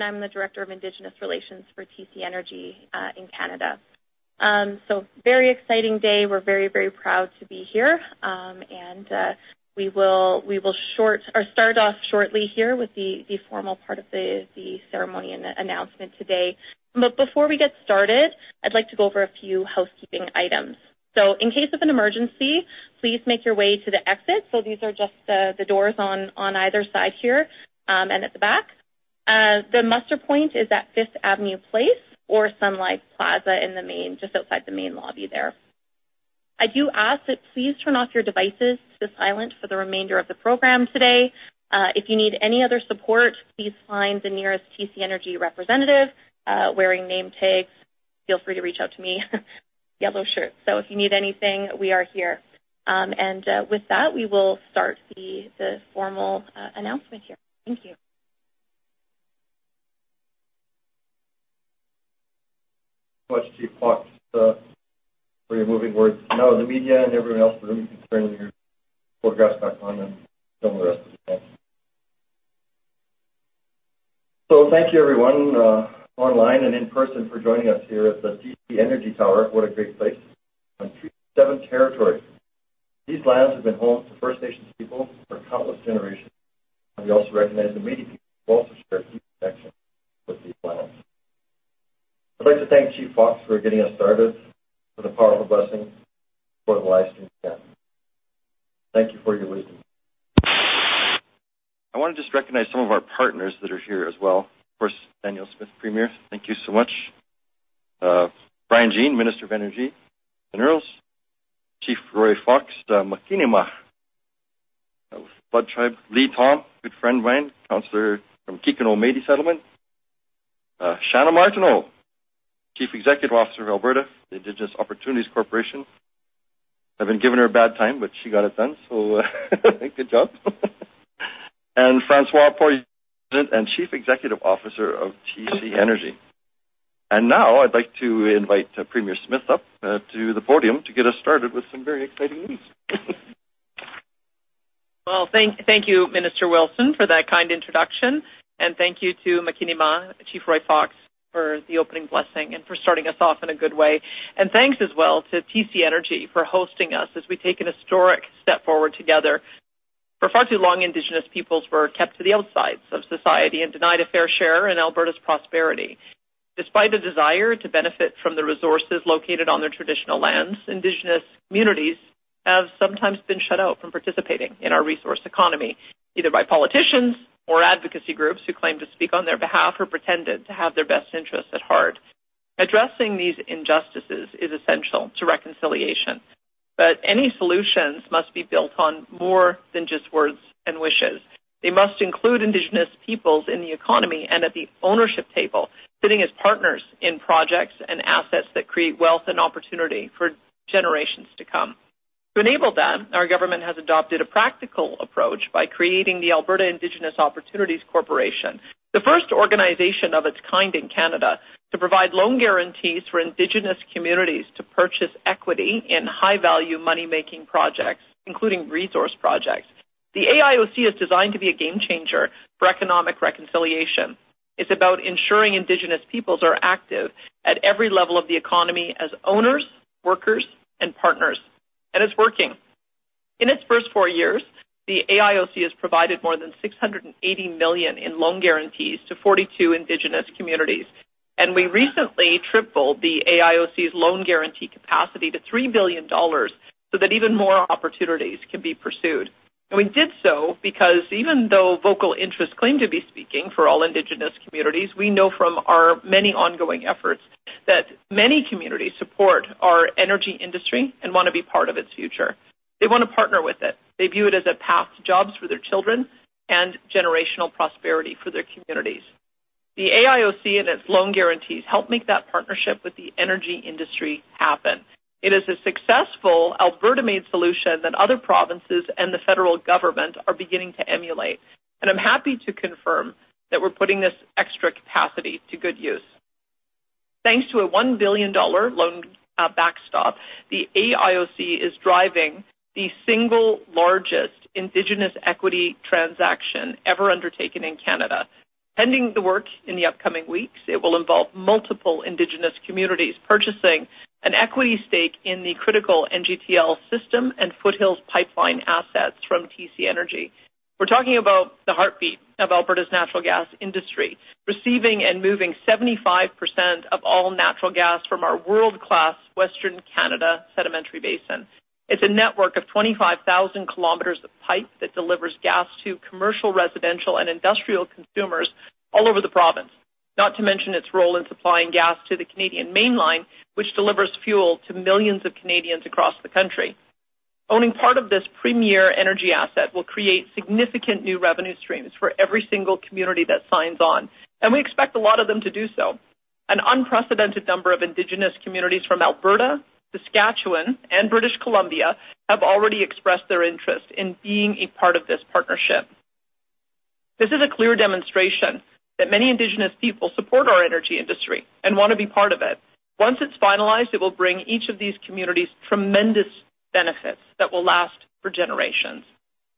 I'm the Director of Indigenous Relations for TC Energy in Canada. Very exciting day. We're very, very proud to be here. We will start off shortly here with the formal part of the ceremony and announcement today. But before we get started, I'd like to go over a few housekeeping items. In case of an emergency, please make your way to the exit. These are just the doors on either side here and at the back. The muster point is at Fifth Avenue Place or Sun Life Plaza in the main, just outside the main lobby there. I do ask that please turn off your devices to silent for the remainder of the program today. If you need any other support, please find the nearest TC Energy representative wearing name tags. Feel free to reach out to me, yellow shirt. If you need anything, we are here. With that, we will start the formal announcement here. Thank you. Much too close for removing words. Now, the media and everyone else in the room can turn your photographs back on and film the rest of the event. So, thank you, everyone online and in person for joining us here at the TC Energy Tower. What a great place on Treaty 7 territory. These lands have been home to First Nations people for countless generations. We also recognize the Métis people who also share a deep connection with these lands. I'd like to thank Chief Fox for getting us started, for the powerful blessing for the livestream again. Thank you for your wisdom. I want to just recognize some of our partners that are here as well. Of course, Danielle Smith, Premier. Thank you so much. Brian Jean, Minister of Energy. Then there's Chief Roy Fox, Makiinima. Lee Thom, good friend of mine. Councillor from Kikino Métis Settlement. Chana Martineau, Chief Executive Officer of the Alberta Indigenous Opportunities Corporation. I've been giving her a bad time, but she got it done. So, I think good job. And François Poirier, President and Chief Executive Officer of TC Energy. And now I'd like to invite Premier Smith up to the podium to get us started with some very exciting news. Well, thank you, Minister Wilson, for that kind introduction. Thank you to Makiinima, Chief Roy Fox, for the opening blessing and for starting us off in a good way. Thanks as well to TC Energy for hosting us as we take a historic step forward together. For far too long, Indigenous peoples were kept to the outsides of society and denied a fair share in Alberta's prosperity. Despite a desire to benefit from the resources located on their traditional lands, Indigenous communities have sometimes been shut out from participating in our resource economy, either by politicians or advocacy groups who claim to speak on their behalf or pretended to have their best interests at heart. Addressing these injustices is essential to reconciliation. Any solutions must be built on more than just words and wishes. They must include Indigenous peoples in the economy and at the ownership table, sitting as partners in projects and assets that create wealth and opportunity for generations to come. To enable that, our government has adopted a practical approach by creating the Alberta Indigenous Opportunities Corporation, the first organization of its kind in Canada to provide loan guarantees for Indigenous communities to purchase equity in high-value money-making projects, including resource projects. The AIOC is designed to be a game changer for economic reconciliation. It's about ensuring Indigenous peoples are active at every level of the economy as owners, workers, and partners. It's working. In its first four years, the AIOC has provided more than 680 million in loan guarantees to 42 Indigenous communities. We recently tripled the AIOC's loan guarantee capacity to 3 billion dollars so that even more opportunities can be pursued. We did so because even though vocal interests claim to be speaking for all Indigenous communities, we know from our many ongoing efforts that many communities support our energy industry and want to be part of its future. They want to partner with it. They view it as a path to jobs for their children and generational prosperity for their communities. The AIOC and its loan guarantees help make that partnership with the energy industry happen. It is a successful Alberta-made solution that other provinces and the federal government are beginning to emulate. I'm happy to confirm that we're putting this extra capacity to good use. Thanks to a 1 billion dollar loan backstop, the AIOC is driving the single largest Indigenous equity transaction ever undertaken in Canada. Pending the work in the upcoming weeks, it will involve multiple Indigenous communities purchasing an equity stake in the critical NGTL System and Foothills pipeline assets from TC Energy. We're talking about the heartbeat of Alberta's natural gas industry, receiving and moving 75% of all natural gas from our world-class Western Canada Sedimentary Basin. It's a network of 25,000 kilometers of pipe that delivers gas to commercial, residential, and industrial consumers all over the province, not to mention its role in supplying gas to the Canadian Mainline, which delivers fuel to millions of Canadians across the country. Owning part of this premier energy asset will create significant new revenue streams for every single community that signs on. We expect a lot of them to do so. An unprecedented number of Indigenous communities from Alberta, Saskatchewan, and British Columbia have already expressed their interest in being a part of this partnership. This is a clear demonstration that many Indigenous people support our energy industry and want to be part of it. Once it's finalized, it will bring each of these communities tremendous benefits that will last for generations.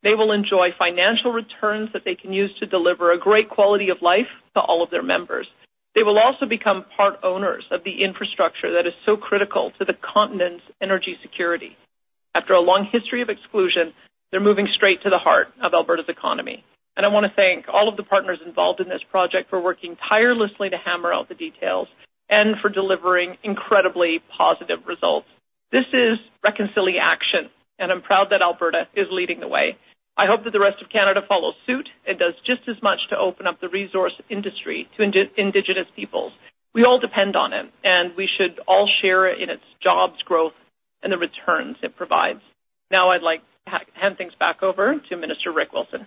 They will enjoy financial returns that they can use to deliver a great quality of life to all of their members. They will also become part owners of the infrastructure that is so critical to the continent's energy security. After a long history of exclusion, they're moving straight to the heart of Alberta's economy. I want to thank all of the partners involved in this project for working tirelessly to hammer out the details and for delivering incredibly positive results. This is reconciliation action, and I'm proud that Alberta is leading the way. I hope that the rest of Canada follows suit and does just as much to open up the resource industry to Indigenous peoples. We all depend on it, and we should all share in its jobs growth and the returns it provides. Now, I'd like to hand things back over to Minister Rick Wilson.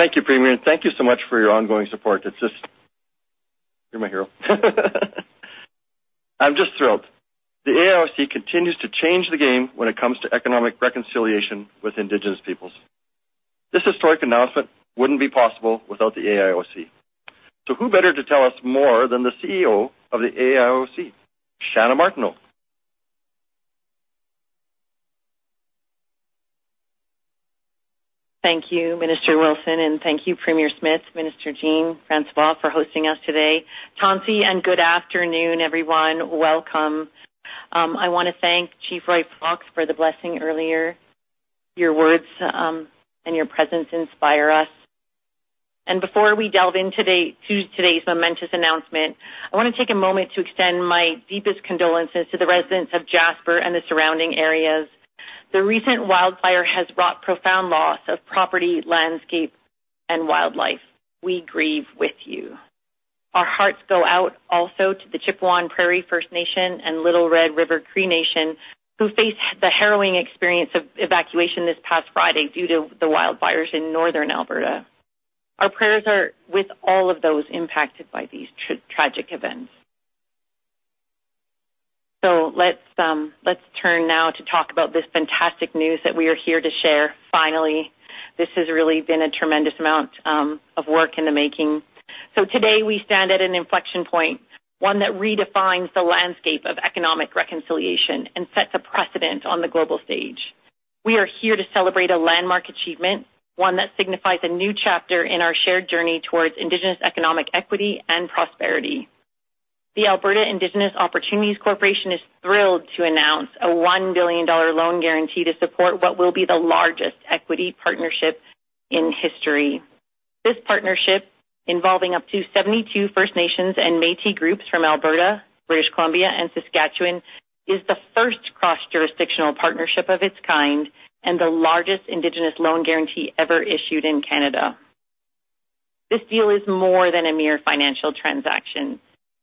Thank you, Premier. Thank you so much for your ongoing support. It's just, you're my hero. I'm just thrilled. The AIOC continues to change the game when it comes to economic reconciliation with Indigenous peoples. This historic announcement wouldn't be possible without the AIOC. So, who better to tell us more than the CEO of the AIOC, Chana Martineau. Thank you, Minister Wilson, and thank you, Premier Smith, Minister Jean, François for hosting us today. Tansi, and good afternoon, everyone. Welcome. I want to thank Chief Roy Fox for the blessing earlier. Your words and your presence inspire us. Before we delve into today's momentous announcement, I want to take a moment to extend my deepest condolences to the residents of Jasper and the surrounding areas. The recent wildfire has brought profound loss of property, landscape, and wildlife. We grieve with you. Our hearts go out also to the Chipewyan Prairie First Nation and Little Red River Cree Nation, who faced the harrowing experience of evacuation this past Friday due to the wildfires in Northern Alberta. Our prayers are with all of those impacted by these tragic events. Let's turn now to talk about this fantastic news that we are here to share finally. This has really been a tremendous amount of work in the making. So, today, we stand at an inflection point, one that redefines the landscape of Economic Reconciliation and sets a precedent on the global stage. We are here to celebrate a landmark achievement, one that signifies a new chapter in our shared journey towards Indigenous economic equity and prosperity. The Alberta Indigenous Opportunities Corporation is thrilled to announce a 1 billion dollar loan guarantee to support what will be the largest equity partnership in history. This partnership, involving up to 72 First Nations and Métis groups from Alberta, British Columbia, and Saskatchewan, is the first cross-jurisdictional partnership of its kind and the largest Indigenous loan guarantee ever issued in Canada. This deal is more than a mere financial transaction.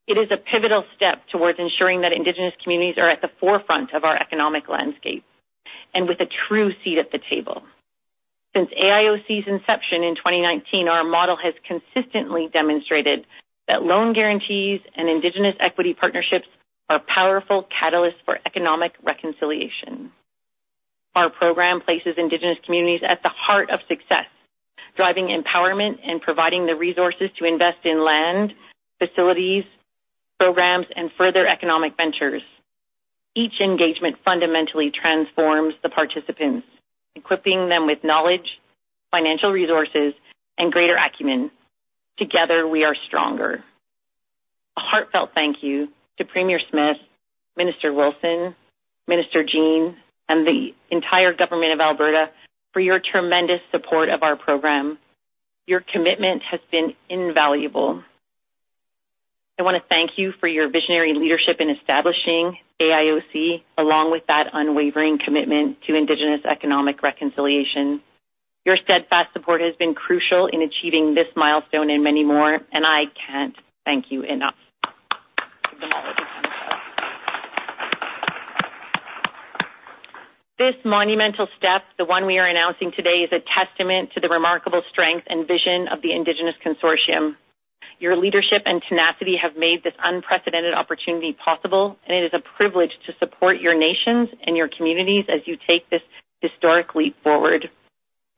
It is a pivotal step towards ensuring that Indigenous communities are at the forefront of our economic landscape and with a true seat at the table. Since AIOC's inception in 2019, our model has consistently demonstrated that loan guarantees and Indigenous equity partnerships are powerful catalysts for economic reconciliation. Our program places Indigenous communities at the heart of success, driving empowerment and providing the resources to invest in land, facilities, programs, and further economic ventures. Each engagement fundamentally transforms the participants, equipping them with knowledge, financial resources, and greater acumen. Together, we are stronger. A heartfelt thank you to Premier Smith, Minister Wilson, Minister Jean, and the entire government of Alberta for your tremendous support of our program. Your commitment has been invaluable. I want to thank you for your visionary leadership in establishing AIOC, along with that unwavering commitment to Indigenous economic reconciliation. Your steadfast support has been crucial in achieving this milestone and many more, and I can't thank you enough. This monumental step, the one we are announcing today, is a testament to the remarkable strength and vision of the Indigenous Consortium. Your leadership and tenacity have made this unprecedented opportunity possible, and it is a privilege to support your nations and your communities as you take this historic leap forward.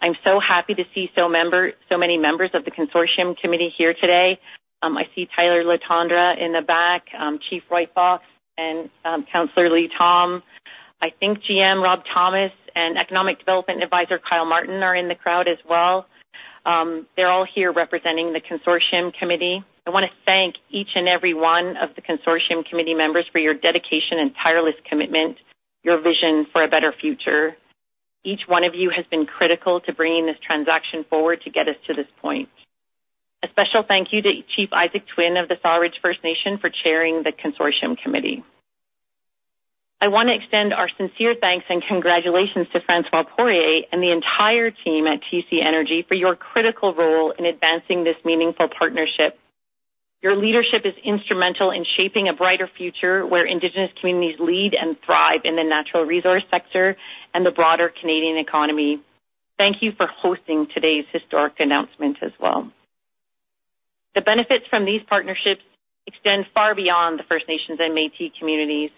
I'm so happy to see so many members of the Consortium Committee here today. I see Tyler Letendre in the back, Chief Roy Fox, and Councilor Lee Thom. I think GM Rob Thomas and Economic Development Advisor Kyle Martin are in the crowd as well. They're all here representing the Consortium Committee. I want to thank each and every one of the Consortium Committee members for your dedication and tireless commitment, your vision for a better future. Each one of you has been critical to bringing this transaction forward to get us to this point. A special thank you to Chief Isaac Twin of the Sawridge First Nation for chairing the Consortium Committee. I want to extend our sincere thanks and congratulations to François Poirier and the entire team at TC Energy for your critical role in advancing this meaningful partnership. Your leadership is instrumental in shaping a brighter future where Indigenous communities lead and thrive in the natural resource sector and the broader Canadian economy. Thank you for hosting today's historic announcement as well. The benefits from these partnerships extend far beyond the First Nations and Métis communities.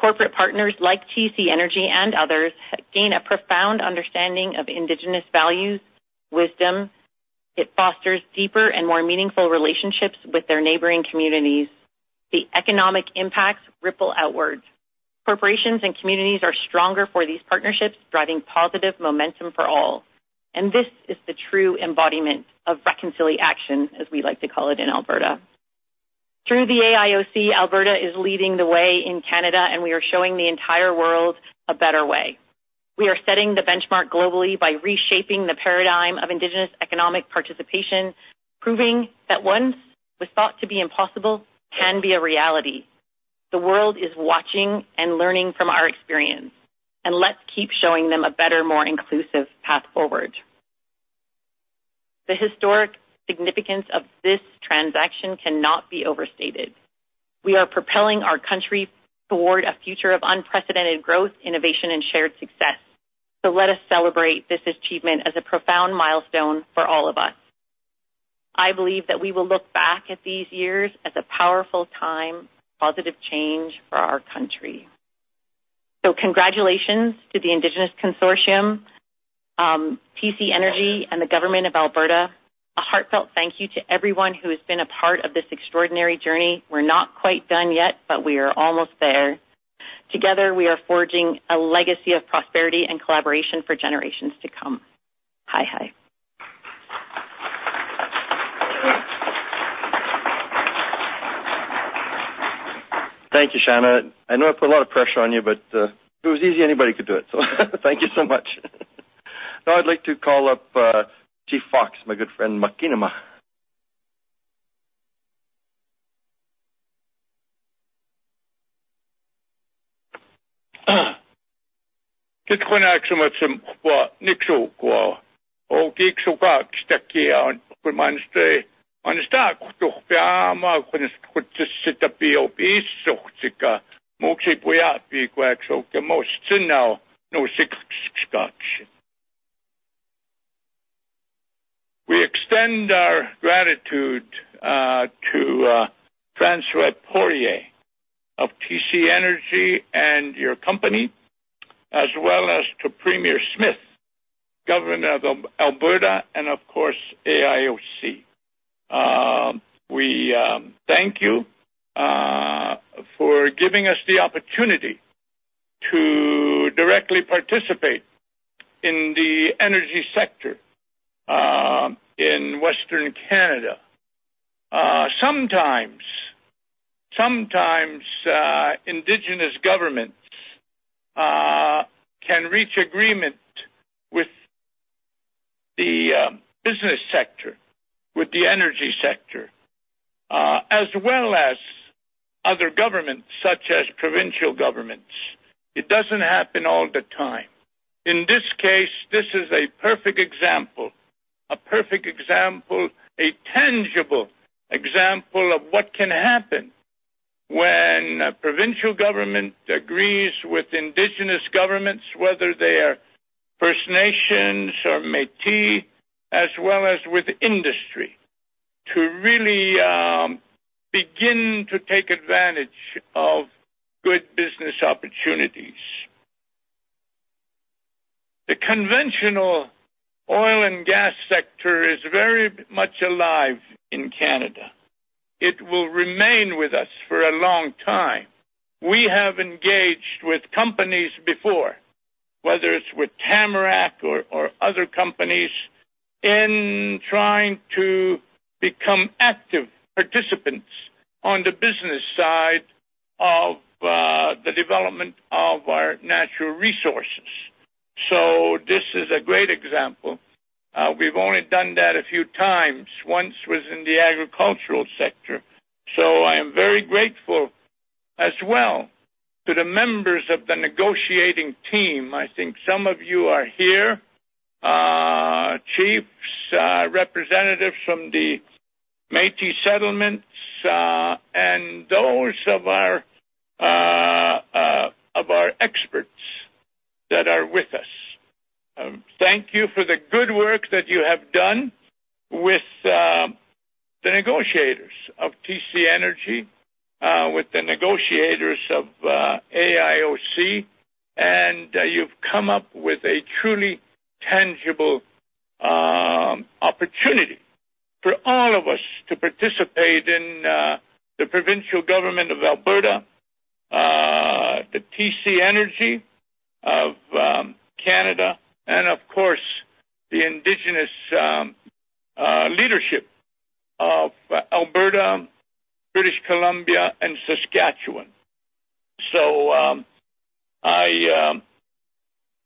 Corporate partners like TC Energy and others gain a profound understanding of Indigenous values, wisdom. It fosters deeper and more meaningful relationships with their neighboring communities. The economic impacts ripple outward. Corporations and communities are stronger for these partnerships, driving positive momentum for all. This is the true embodiment of reconciliation action, as we like to call it in Alberta. Through the AIOC, Alberta is leading the way in Canada, and we are showing the entire world a better way. We are setting the benchmark globally by reshaping the paradigm of Indigenous economic participation, proving that what once was thought to be impossible can be a reality. The world is watching and learning from our experience, and let's keep showing them a better, more inclusive path forward. The historic significance of this transaction cannot be overstated. We are propelling our country toward a future of unprecedented growth, innovation, and shared success. Let us celebrate this achievement as a profound milestone for all of us. I believe that we will look back at these years as a powerful time, positive change for our country. So, congratulations to the Indigenous Consortium, TC Energy, and the Government of Alberta. A heartfelt thank you to everyone who has been a part of this extraordinary journey. We're not quite done yet, but we are almost there. Together, we are forging a legacy of prosperity and collaboration for generations to come. Thank you, Chana. I know I put a lot of pressure on you, but it was easy, anybody could do it. So, thank you so much. Now, I'd like to call up Chief Fox, my good friend, Makiinima. Keskkonna-aktsiamaksu maksumaksu kaakstaki, on. Mainustaja on 100 kohta peamaa kohta, kus 100 piirjoob eest suhtes ka muukseid pojapidi, kui 90 maast sõnna noorusikaks kaksiks. We extend our gratitude to François Poirier of TC Energy and your company, as well as to Premier Smith, Government of Alberta, and of course, AIOC. We thank you for giving us the opportunity to directly participate in the energy sector in Western Canada. Sometimes, sometimes Indigenous governments can reach agreement with the business sector, with the energy sector, as well as other governments, such as provincial governments. It doesn't happen all the time. In this case, this is a perfect example, a perfect example, a tangible example of what can happen when a provincial government agrees with Indigenous governments, whether they are First Nations or Métis, as well as with industry, to really begin to take advantage of good business opportunities. The conventional oil and gas sector is very much alive in Canada. It will remain with us for a long time. We have engaged with companies before, whether it's with Tamarack or other companies, in trying to become active participants on the business side of the development of our natural resources. So, this is a great example. We've only done that a few times. Once was in the agricultural sector. So, I am very grateful as well to the members of the negotiating team. I think some of you are here, chiefs, representatives from the Métis settlements, and those of our experts that are with us. Thank you for the good work that you have done with the negotiators of TC Energy, with the negotiators of AIOC, and you've come up with a truly tangible opportunity for all of us to participate in the provincial government of Alberta, the TC Energy of Canada, and of course, the Indigenous leadership of Alberta, British Columbia, and Saskatchewan. So, I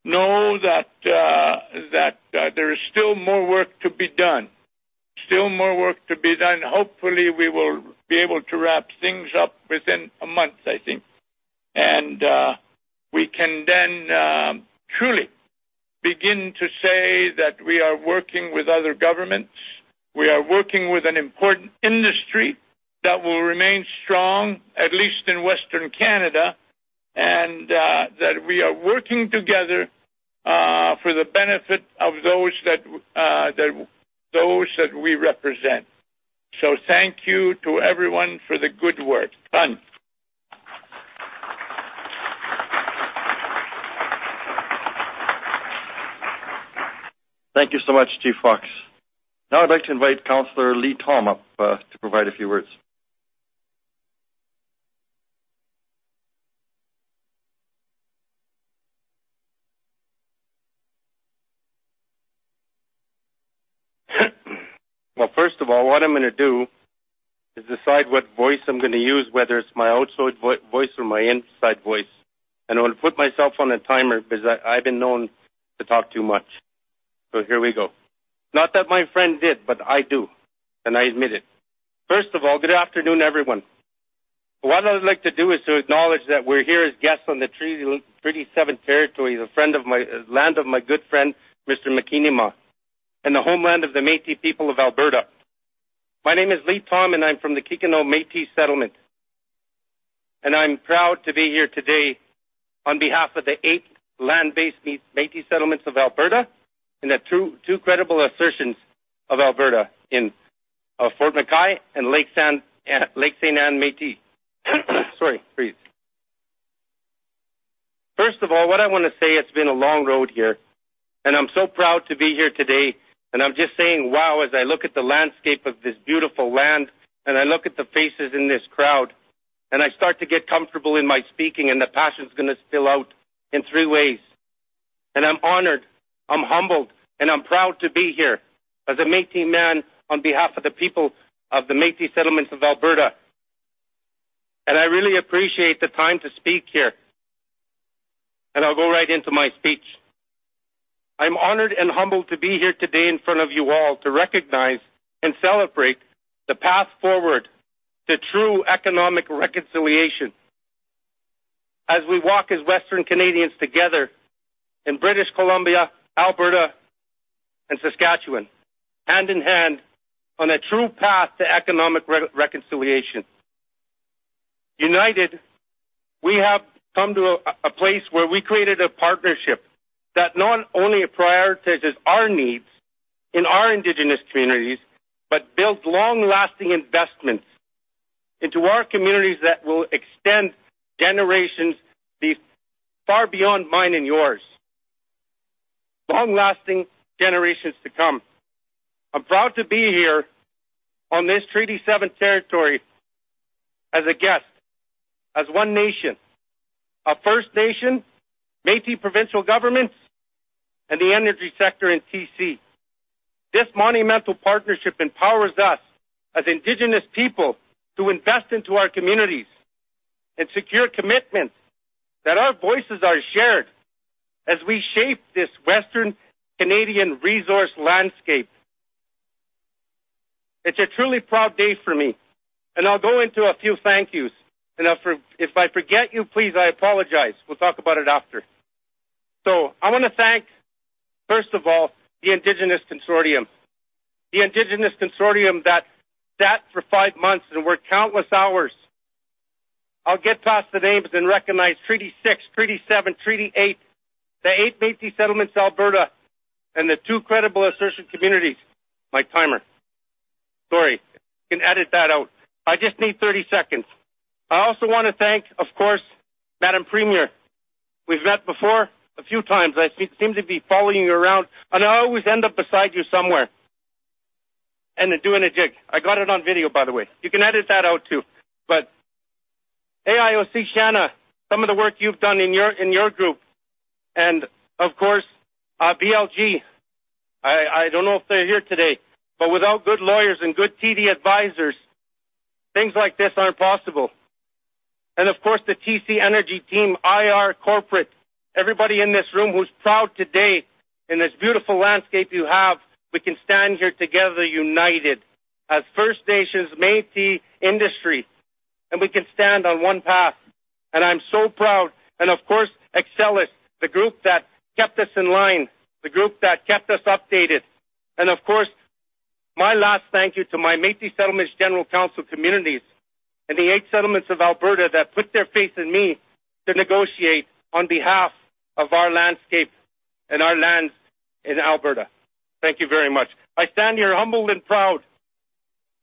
know that there is still more work to be done, still more work to be done. Hopefully, we will be able to wrap things up within a month, I think, and we can then truly begin to say that we are working with other governments. We are working with an important industry that will remain strong, at least in Western Canada, and that we are working together for the benefit of those that we represent. So, thank you to everyone for the good work. Done. Thank you so much, Chief Fox. Now, I'd like to invite Councilor Lee Thom up to provide a few words. Well, first of all, what I'm going to do is decide what voice I'm going to use, whether it's my outside voice or my inside voice. And I'm going to put myself on a timer because I've been known to talk too much. So, here we go. Not that my friend did, but I do, and I admit it. First of all, good afternoon, everyone. What I'd like to do is to acknowledge that we're here as guests on the Treaty 7 Territory, the land of my good friend, Mr. Makiinima, and the homeland of the Métis people of Alberta. My name is Lee Thom, and I'm from the Kikino Métis Settlement. I'm proud to be here today on behalf of the eight land-based Métis settlements of Alberta and the two credible assertions of Alberta in Fort McKay and Lac Ste. Anne Métis. Sorry, please. First of all, what I want to say, it's been a long road here, and I'm so proud to be here today. And I'm just saying wow as I look at the landscape of this beautiful land, and I look at the faces in this crowd, and I start to get comfortable in my speaking, and the passion's going to spill out in three ways. And I'm honored, I'm humbled, and I'm proud to be here as a Métis man on behalf of the people of the Métis settlements of Alberta. And I really appreciate the time to speak here, and I'll go right into my speech. I'm honored and humbled to be here today in front of you all to recognize and celebrate the path forward to true economic reconciliation as we walk as Western Canadians together in British Columbia, Alberta, and Saskatchewan, hand in hand on a true path to economic reconciliation. United, we have come to a place where we created a partnership that not only prioritizes our needs in our Indigenous communities, but builds long-lasting investments into our communities that will extend generations far beyond mine and yours. Long-lasting generations to come. I'm proud to be here on this Treaty 7 Territory as a guest, as one nation, a First Nation, Métis provincial governments, and the energy sector in TC. This monumental partnership empowers us as Indigenous people to invest into our communities and secure commitments that our voices are shared as we shape this Western Canadian resource landscape. It's a truly proud day for me, and I'll go into a few thank yous. If I forget you, please, I apologize. We'll talk about it after. I want to thank, first of all, the Indigenous Consortium. The Indigenous Consortium that sat for five months and worked countless hours. I'll get past the names and recognize Treaty 6, Treaty 7, Treaty 8, the eight Métis settlements Alberta, and the two credible assertion communities. My timer. Sorry, I can edit that out. I just need 30 seconds. I also want to thank, of course, Madame Premier. We've met before a few times. I seem to be following you around, and I always end up beside you somewhere and doing a jig. I got it on video, by the way. You can edit that out too. But AIOC, Chana, some of the work you've done in your group, and of course, BLG, I don't know if they're here today, but without good lawyers and good TD advisors, things like this aren't possible. And of course, the TC Energy team, IR Corporate, everybody in this room who's proud today in this beautiful landscape you have, we can stand here together united as First Nations, Métis, and industry, and we can stand on one path. And I'm so proud. And of course, Axxcelus, the group that kept us in line, the group that kept us updated. And of course, my last thank you to my Métis Settlements General Council communities, and the eight settlements of Alberta that put their faith in me to negotiate on behalf of our landscape and our lands in Alberta. Thank you very much. I stand here humbled and proud.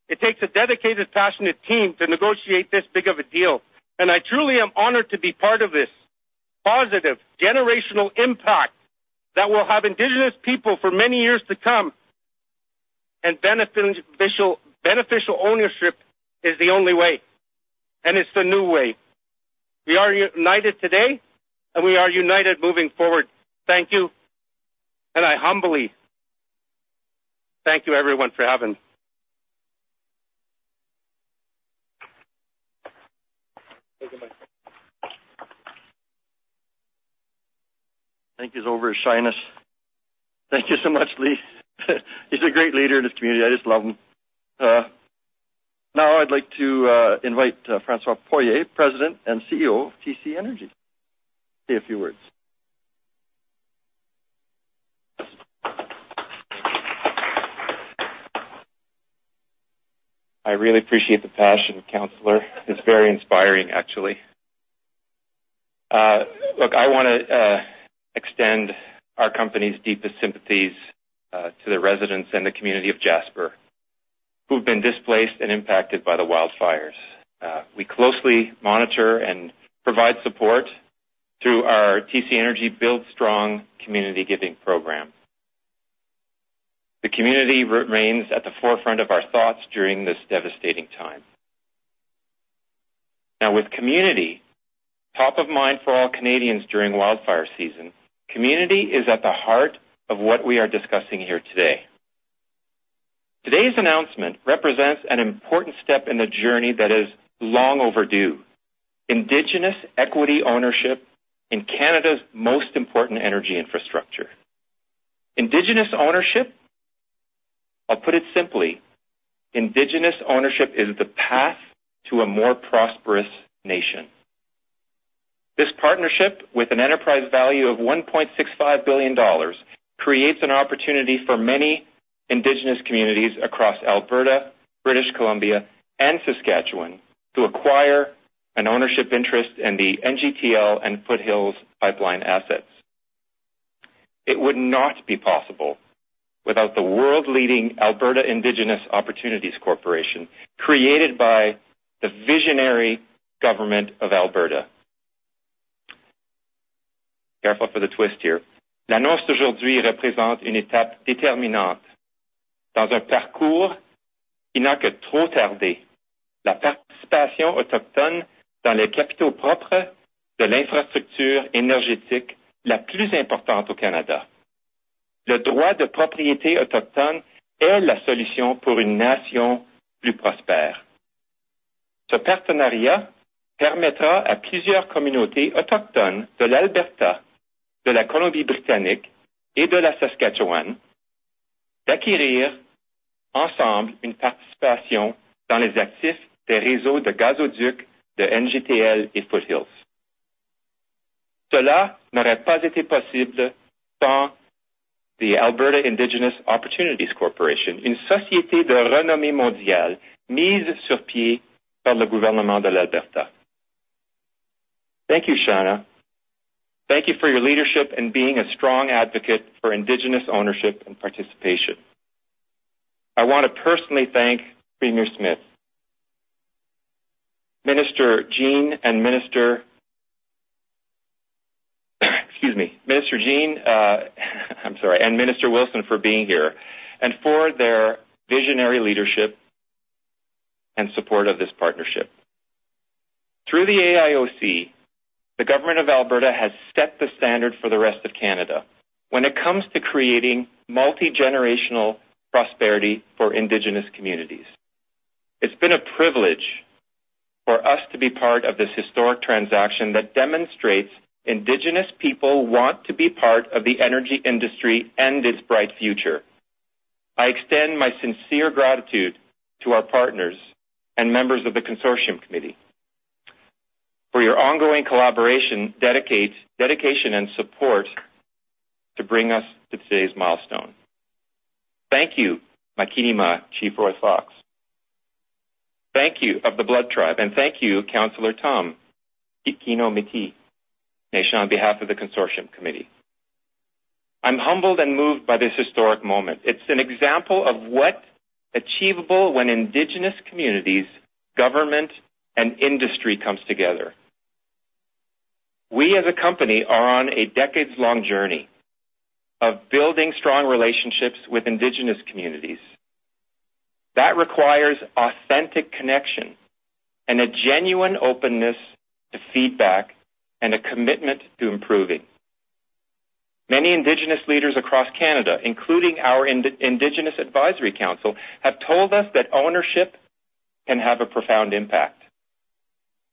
It takes a dedicated, passionate team to negotiate this big of a deal. I truly am honored to be part of this positive generational impact that will have Indigenous people for many years to come. Beneficial ownership is the only way, and it's the new way. We are united today, and we are united moving forward. Thank you. I humbly thank you, everyone, for having me. Thank you over to Chana. Thank you so much, Lee. He's a great leader in this community. I just love him. Now, I'd like to invite François Poirier, President and CEO of TC Energy, to say a few words. I really appreciate the passion, Councillor. It's very inspiring, actually. Look, I want to extend our company's deepest sympathies to the residents and the community of Jasper who've been displaced and impacted by the wildfires. We closely monitor and provide support through our TC Energy Build Strong community giving program. The community remains at the forefront of our thoughts during this devastating time. Now, with community top of mind for all Canadians during wildfire season, community is at the heart of what we are discussing here today. Today's announcement represents an important step in the journey that is long overdue: Indigenous equity ownership in Canada's most important energy infrastructure. Indigenous ownership, I'll put it simply, Indigenous ownership is the path to a more prosperous nation. This partnership, with an enterprise value of 1.65 billion dollars, creates an opportunity for many Indigenous communities across Alberta, British Columbia, and Saskatchewan to acquire an ownership interest in the NGTL and Foothills pipeline assets. It would not be possible without the world-leading Alberta Indigenous Opportunities Corporation created by the visionary government of Alberta. Careful for the twist here. L'annonce d'aujourd'hui représente une étape déterminante dans un parcours qui n'a que trop tardé la participation autochtone dans les capitaux propres de l'infrastructure énergétique la plus importante au Canada. Le droit de propriété autochtone est la solution pour une nation plus prospère. Ce partenariat permettra à plusieurs communautés autochtones de l'Alberta, de la Colombie-Britannique et de la Saskatchewan d'acquérir ensemble une participation dans les actifs des réseaux de gazoducs de NGTL et Foothills. Cela n'aurait pas été possible sans the Alberta Indigenous Opportunities Corporation, une société de renommée mondiale mise sur pied par le gouvernement de l'Alberta. Thank you, Chana. Thank you for your leadership and being a strong advocate for Indigenous ownership and participation. I want to personally thank Premier Smith, Minister Jean and Minister—excuse me, Minister Jean—I'm sorry, and Minister Wilson for being here and for their visionary leadership and support of this partnership. Through the AIOC, the government of Alberta has set the standard for the rest of Canada when it comes to creating multi-generational prosperity for Indigenous communities. It's been a privilege for us to be part of this historic transaction that demonstrates Indigenous people want to be part of the energy industry and its bright future. I extend my sincere gratitude to our partners and members of the Consortium Committee for your ongoing collaboration, dedication, and support to bring us to today's milestone. Thank you, Makiinima, Chief Roy Fox. Thank you of the Blood Tribe, and thank you, Councillor Thom, Kikino Métis Settlement on behalf of the Consortium Committee. I'm humbled and moved by this historic moment. It's an example of what's achievable when Indigenous communities, government, and industry come together. We, as a company, are on a decades-long journey of building strong relationships with Indigenous communities. That requires authentic connection and a genuine openness to feedback and a commitment to improving. Many Indigenous leaders across Canada, including our Indigenous Advisory Council, have told us that ownership can have a profound impact.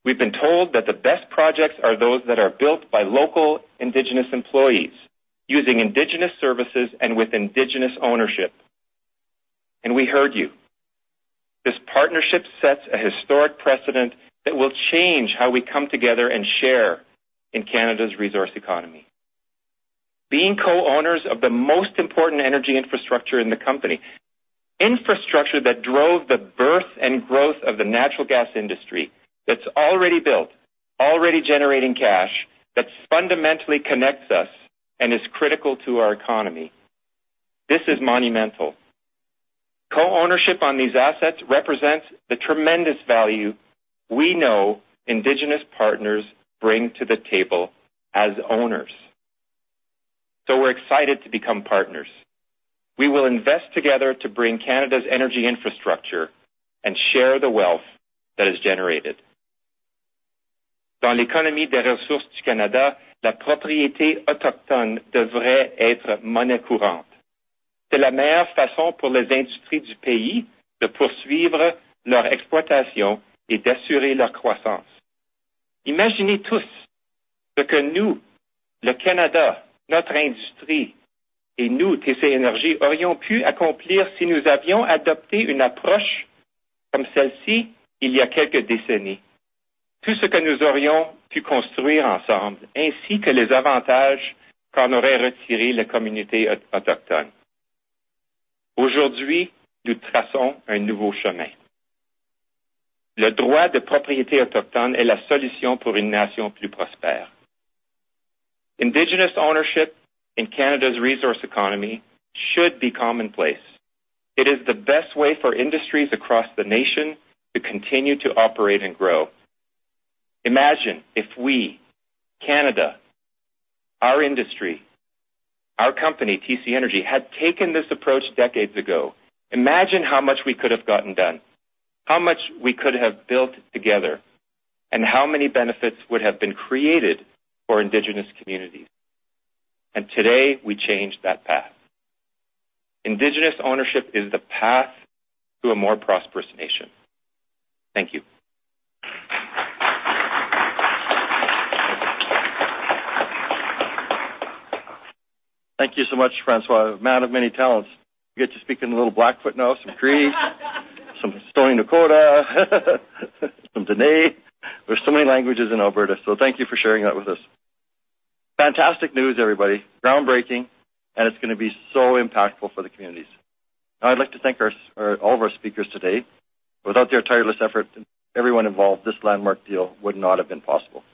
We've been told that the best projects are those that are built by local Indigenous employees using Indigenous services and with Indigenous ownership. We heard you. This partnership sets a historic precedent that will change how we come together and share in Canada's resource economy. Being co-owners of the most important energy infrastructure in the company, infrastructure that drove the birth and growth of the natural gas industry that's already built, already generating cash, that fundamentally connects us and is critical to our economy. This is monumental. Co-ownership on these assets represents the tremendous value we know Indigenous partners bring to the table as owners. So we're excited to become partners. We will invest together to bring Canada's energy infrastructure and share the wealth that is generated. Dans l'économie des ressources du Canada, la propriété autochtone devrait être monnaie courante. C'est la meilleure façon pour les industries du pays de poursuivre leur exploitation et d'assurer leur croissance. Imaginez tout ce que nous, le Canada, notre industrie et nous, TC Energy, aurions pu accomplir si nous avions adopté une approche comme celle-ci il y a quelques décennies. Tout ce que nous aurions pu construire ensemble, ainsi que les avantages qu'en auraient retiré les communautés autochtones. Aujourd'hui, nous traçons un nouveau chemin. Le droit de propriété autochtone est la solution pour une nation plus prospère. Indigenous ownership in Canada's resource economy should be commonplace. It is the best way for industries across the nation to continue to operate and grow. Imagine if we, Canada, our industry, our company, TC Energy, had taken this approach decades ago. Imagine how much we could have gotten done, how much we could have built together, and how many benefits would have been created for Indigenous communities. Today, we changed that path. Indigenous ownership is the path to a more prosperous nation. Thank you. Thank you so much, François. Madam Many Talents, you get to speak in a little Blackfoot now, some Cree, some Stony Nakota, some Diné. There's so many languages in Alberta, so thank you for sharing that with us. Fantastic news, everybody. Groundbreaking, and it's going to be so impactful for the communities. Now, I'd like to thank all of our speakers today. Without their tireless effort, everyone involved, this landmark deal would not have been possible.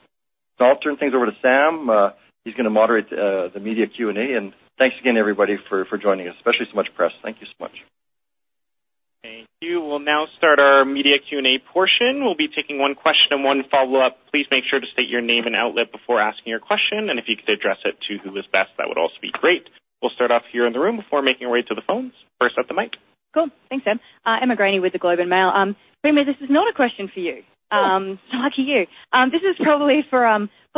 So I'll turn things over to Sam. He's going to moderate the media Q&A. And thanks again, everybody, for joining us, especially so much press. Thank you so much. Thank you. We'll now start our media Q&A portion. We'll be taking one question and one follow-up. Please make sure to state your name and outlet before asking your question. If you could address it to who is best, that would also be great. We'll start off here in the room before making our way to the phones. First up, the mic. Cool. Thanks, Em. Emma Graney with The Globe and Mail. Premier, this is not a question for you. So lucky you. This is probably for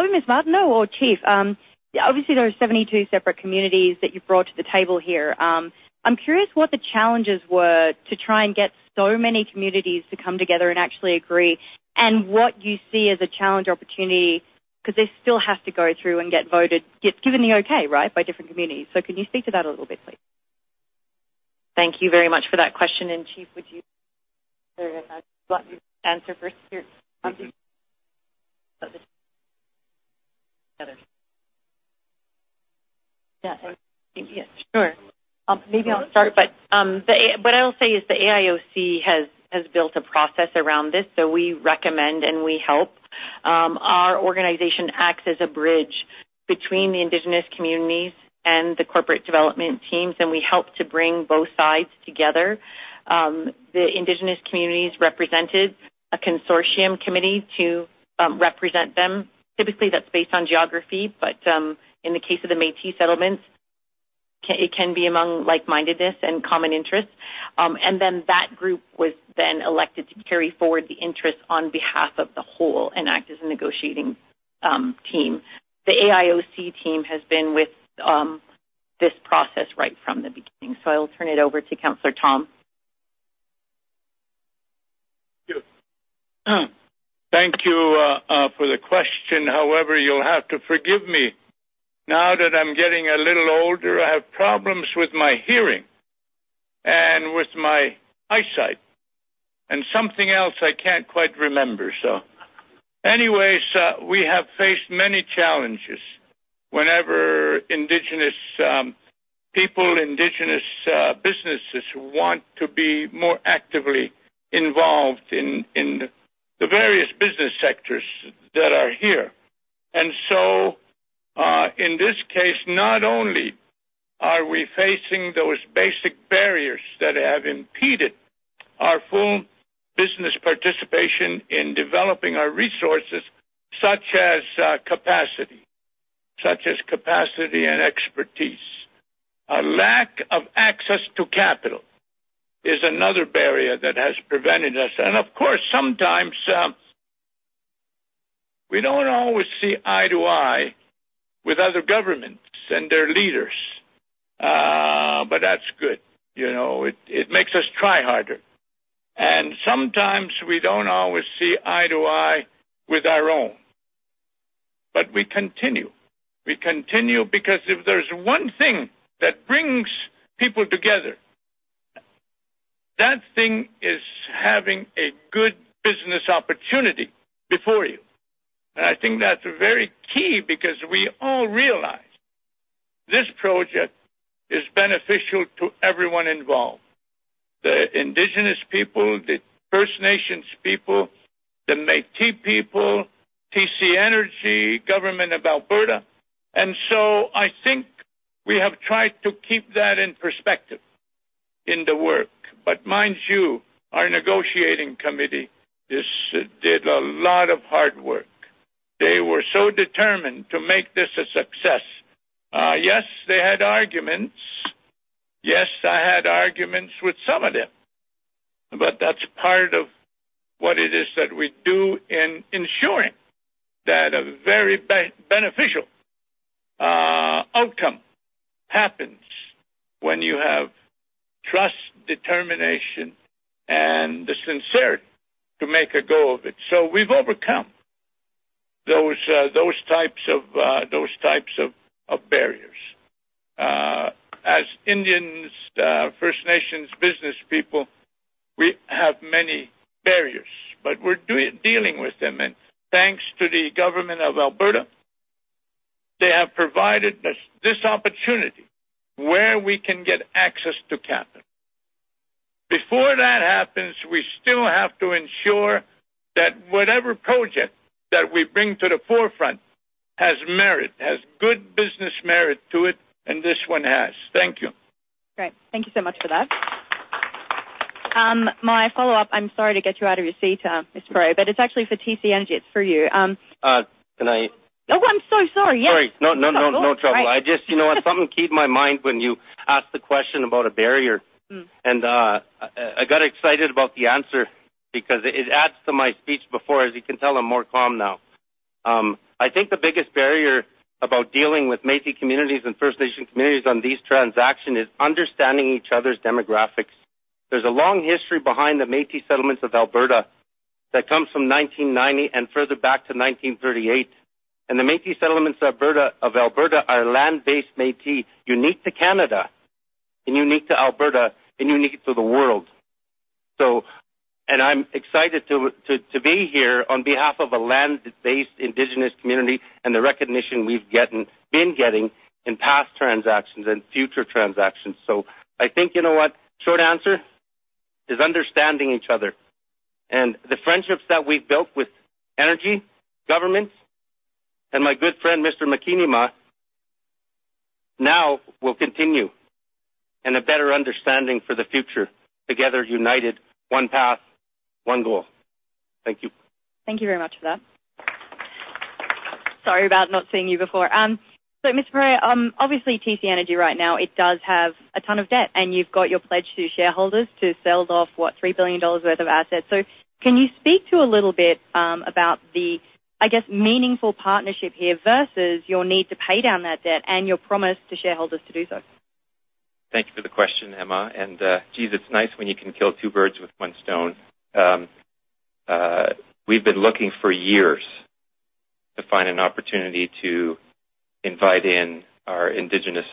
Ms. Martineau or Chief. Obviously, there are 72 separate communities that you've brought to the table here. I'm curious what the challenges were to try and get so many communities to come together and actually agree and what you see as a challenge opportunity because this still has to go through and get voted, given the okay, right, by different communities. So can you speak to that a little bit, please? Thank you very much for that question. Chief, would you like to answer first? Yeah, sure. Maybe I'll start, but what I'll say is the AIOC has built a process around this, so we recommend and we help. Our organization acts as a bridge between the Indigenous communities and the corporate development teams, and we help to bring both sides together. The Indigenous communities represented a Consortium Committee to represent them. Typically, that's based on geography, but in the case of the Métis settlements, it can be among like-mindedness and common interests. Then that group was then elected to carry forward the interests on behalf of the whole and act as a negotiating team. The AIOC team has been with this process right from the beginning. So I'll turn it over to Councilor Lee Thom. Thank you for the question. However, you'll have to forgive me. Now that I'm getting a little older, I have problems with my hearing and with my eyesight and something else I can't quite remember. So anyways, we have faced many challenges whenever Indigenous people, Indigenous businesses want to be more actively involved in the various business sectors that are here. And so in this case, not only are we facing those basic barriers that have impeded our full business participation in developing our resources, such as capacity, such as capacity and expertise, a lack of access to capital is another barrier that has prevented us. And of course, sometimes we don't always see eye to eye with other governments and their leaders, but that's good. It makes us try harder. And sometimes we don't always see eye to eye with our own, but we continue. We continue because if there's one thing that brings people together, that thing is having a good business opportunity before you. I think that's very key because we all realize this project is beneficial to everyone involved: the Indigenous people, the First Nations people, the Métis people, TC Energy, Government of Alberta. So I think we have tried to keep that in perspective in the work. But mind you, our negotiating committee did a lot of hard work. They were so determined to make this a success. Yes, they had arguments. Yes, I had arguments with some of them. But that's part of what it is that we do in ensuring that a very beneficial outcome happens when you have trust, determination, and the sincerity to make a go of it. We've overcome those types of barriers. As Indians, First Nations business people, we have many barriers, but we're dealing with them. Thanks to the Government of Alberta, they have provided us this opportunity where we can get access to capital. Before that happens, we still have to ensure that whatever project that we bring to the forefront has merit, has good business merit to it, and this one has. Thank you. Great. Thank you so much for that. My follow-up, I'm sorry to get you out of your seat, Mr. Poirier, but it's actually for TC Energy. It's for you. Can I? Oh, I'm so sorry. Yes. Sorry. No, no, no, no trouble. I just, you know what, something keyed my mind when you asked the question about a barrier. I got excited about the answer because it adds to my speech before. As you can tell, I'm more calm now. I think the biggest barrier about dealing with Métis communities and First Nations communities on these transactions is understanding each other's demographics. There's a long history behind the Métis settlements of Alberta that comes from 1990 and further back to 1938. The Métis settlements of Alberta are land-based Métis unique to Canada and unique to Alberta and unique to the world. I'm excited to be here on behalf of a land-based Indigenous community and the recognition we've been getting in past transactions and future transactions. I think, you know what, short answer is understanding each other. The friendships that we've built with energy, governments, and my good friend, Mr. Makiinima, now will continue in a better understanding for the future, together united, one path, one goal. Thank you. Thank you very much for that. Sorry about not seeing you before. So Mr. Poirier, obviously, TC Energy right now, it does have a ton of debt, and you've got your pledge to shareholders to sell off, what, $3 billion worth of assets. So can you speak to a little bit about the, I guess, meaningful partnership here versus your need to pay down that debt and your promise to shareholders to do so? Thank you for the question, Emma. And geez, it's nice when you can kill two birds with one stone. We've been looking for years to find an opportunity to invite in our Indigenous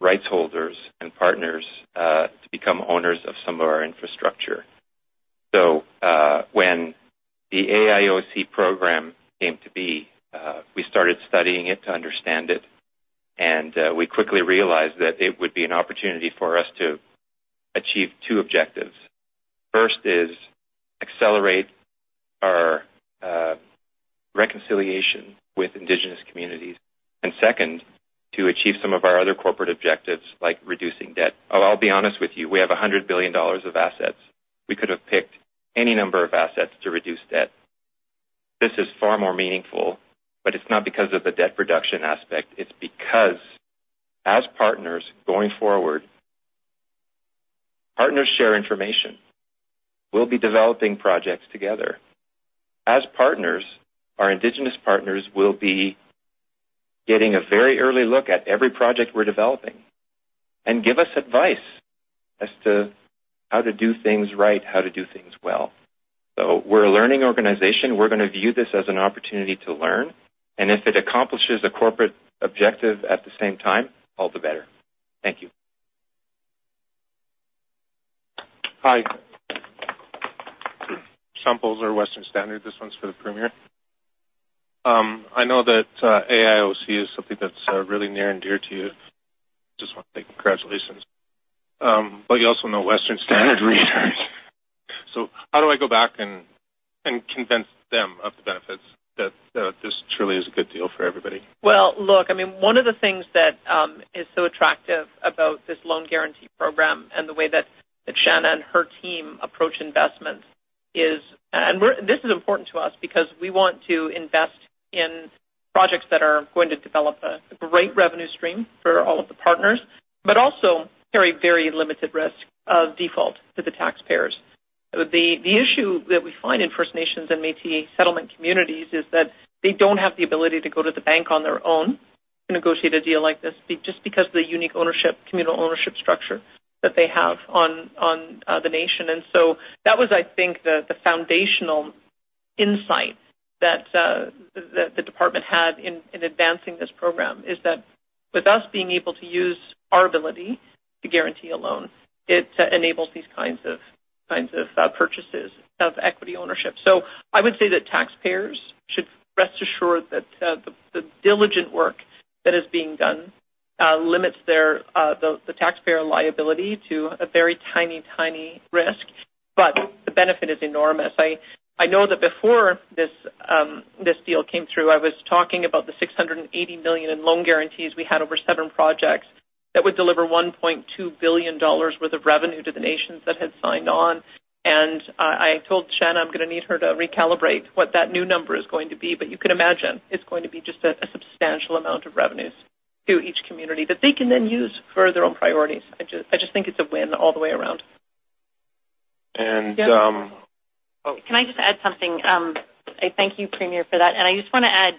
rights holders and partners to become owners of some of our infrastructure. So when the AIOC program came to be, we started studying it to understand it. And we quickly realized that it would be an opportunity for us to achieve two objectives. First is accelerate our reconciliation with Indigenous communities. And second, to achieve some of our other corporate objectives like reducing debt. I'll be honest with you. We have $100 billion of assets. We could have picked any number of assets to reduce debt. This is far more meaningful, but it's not because of the debt reduction aspect. It's because as partners going forward, partners share information. We'll be developing projects together. As partners, our Indigenous partners will be getting a very early look at every project we're developing and give us advice as to how to do things right, how to do things well. So we're a learning organization. We're going to view this as an opportunity to learn. If it accomplishes a corporate objective at the same time, all the better. Thank you. Hi. Shaun Polczer of Western Standard. This one's for the Premier. I know that AIOC is something that's really near and dear to you. Just want to say congratulations. But you also know Western Standard readers. So how do I go back and convince them of the benefits that this truly is a good deal for everybody? Well, look, I mean, one of the things that is so attractive about this loan guarantee program and the way that Chana and her team approach investments is, and this is important to us because we want to invest in projects that are going to develop a great revenue stream for all of the partners, but also carry very limited risk of default to the taxpayers. The issue that we find in First Nations and Métis settlement communities is that they don't have the ability to go to the bank on their own to negotiate a deal like this just because of the unique ownership, communal ownership structure that they have on the nation. That was, I think, the foundational insight that the department had in advancing this program is that with us being able to use our ability to guarantee a loan, it enables these kinds of purchases of equity ownership. So I would say that taxpayers should rest assured that the diligent work that is being done limits the taxpayer liability to a very tiny, tiny risk, but the benefit is enormous. I know that before this deal came through, I was talking about the $680 million in loan guarantees. We had over seven projects that would deliver $1.2 billion worth of revenue to the nations that had signed on. I told Chana I'm going to need her to recalibrate what that new number is going to be. You can imagine it's going to be just a substantial amount of revenues to each community that they can then use for their own priorities. I just think it's a win all the way around. And. Can I just add something? Thank you, Premier, for that. And I just want to add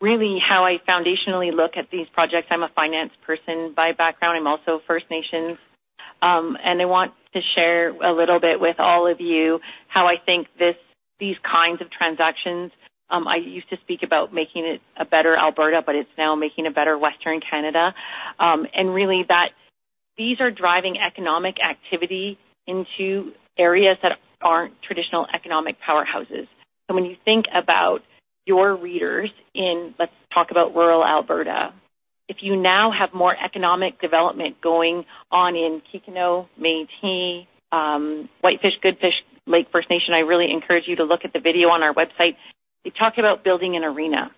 really how I foundationally look at these projects. I'm a finance person by background. I'm also First Nations. And I want to share a little bit with all of you how I think these kinds of transactions I used to speak about making it a better Alberta, but it's now making a better Western Canada. And really, these are driving economic activity into areas that aren't traditional economic powerhouses. So when you think about your readers in, let's talk about rural Alberta, if you now have more economic development going on in Kikino Métis, Whitefish, Goodfish Lake First Nation, I really encourage you to look at the video on our website. They talk about building an arena.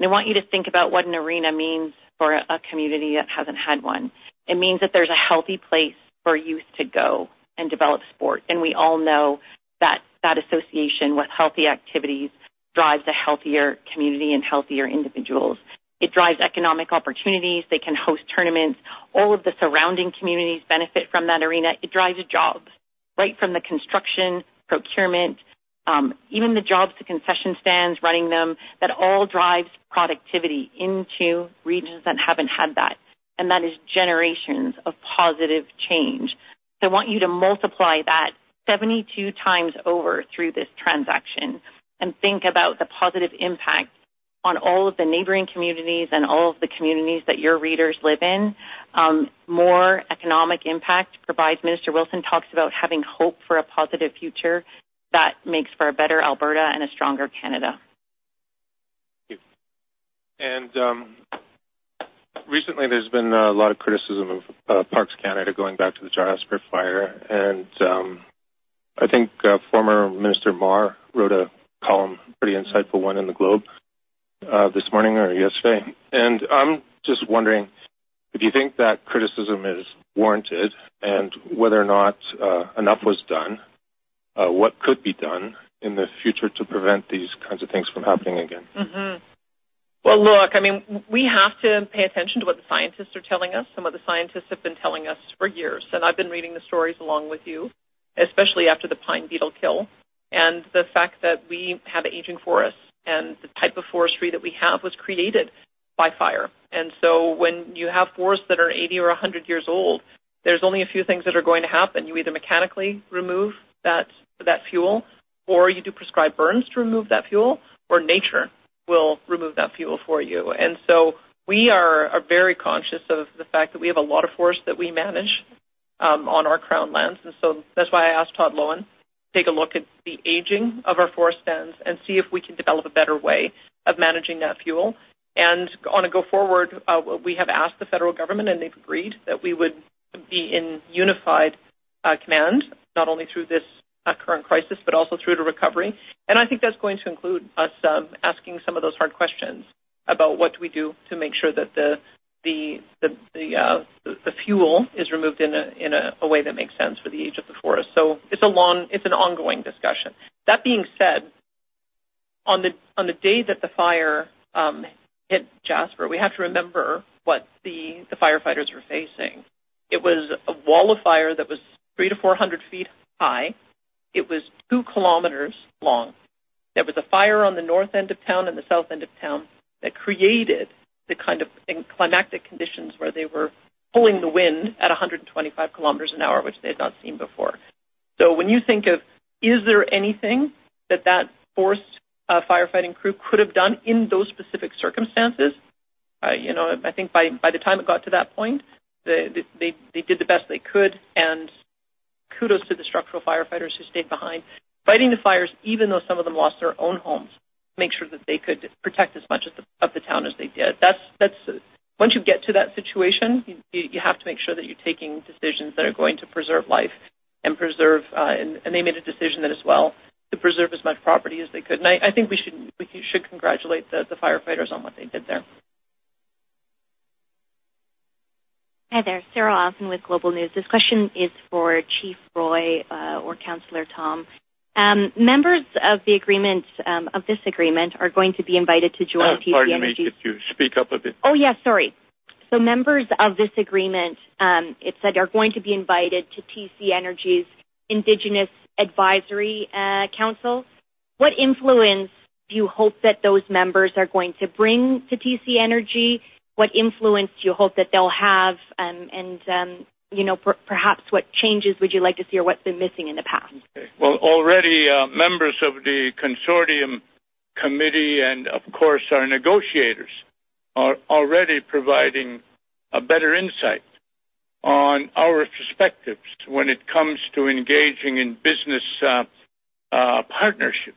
I want you to think about what an arena means for a community that hasn't had one. It means that there's a healthy place for youth to go and develop sport. We all know that that association with healthy activities drives a healthier community and healthier individuals. It drives economic opportunities. They can host tournaments. All of the surrounding communities benefit from that arena. It drives jobs right from the construction, procurement, even the jobs to concession stands, running them, that all drives productivity into regions that haven't had that. That is generations of positive change. I want you to multiply that 72 times over through this transaction and think about the positive impact on all of the neighboring communities and all of the communities that your readers live in. More economic impact provides. Minister Wilson talks about having hope for a positive future that makes for a better Alberta and a stronger Canada. Thank you. Recently, there's been a lot of criticism of Parks Canada going back to the Jasper Fire. I'm just wondering if you think that criticism is warranted and whether or not enough was done, what could be done in the future to prevent these kinds of things from happening again. Well, look, I mean, we have to pay attention to what the scientists are telling us and what the scientists have been telling us for years. I've been reading the stories along with you, especially after the Pine Beetle kill and the fact that we have aging forests and the type of forestry that we have was created by fire. So when you have forests that are 80 or 100 years old, there's only a few things that are going to happen. You either mechanically remove that fuel or you do prescribed burns to remove that fuel or nature will remove that fuel for you. We are very conscious of the fact that we have a lot of forest that we manage on our Crown lands. So that's why I asked Todd Loewen to take a look at the aging of our forest stands and see if we can develop a better way of managing that fuel. On a go-forward, we have asked the federal government, and they've agreed that we would be in Unified Command, not only through this current crisis, but also through the recovery. I think that's going to include us asking some of those hard questions about what do we do to make sure that the fuel is removed in a way that makes sense for the age of the forest. So it's an ongoing discussion. That being said, on the day that the fire hit Jasper, we have to remember what the firefighters were facing. It was a wall of fire that was 300-400 ft high. It was 2 km long. There was a fire on the north end of town and the south end of town that created the kind of climatic conditions where they were pulling the wind at 125 kilometers an hour, which they had not seen before. So when you think of, is there anything that that forest firefighting crew could have done in those specific circumstances, I think by the time it got to that point, they did the best they could. Kudos to the structural firefighters who stayed behind fighting the fires, even though some of them lost their own homes, to make sure that they could protect as much of the town as they did. Once you get to that situation, you have to make sure that you're taking decisions that are going to preserve life and preserve, and they made a decision that as well to preserve as much property as they could. I think we should congratulate the firefighters on what they did there. Hi there. Sarah Offin with Global News. This question is for Chief Roy or Councillor Thom. Members of this agreement are going to be invited to join TC Energy? Oh, sorry. You need to speak up a bit. Oh, yes, sorry. So members of this agreement, it said, are going to be invited to TC Energy's Indigenous Advisory Council. What influence do you hope that those members are going to bring to TC Energy? What influence do you hope that they'll have? And perhaps what changes would you like to see or what's been missing in the past? Well, already members of the consortium committee and, of course, our negotiators are already providing a better insight on our perspectives when it comes to engaging in business partnerships.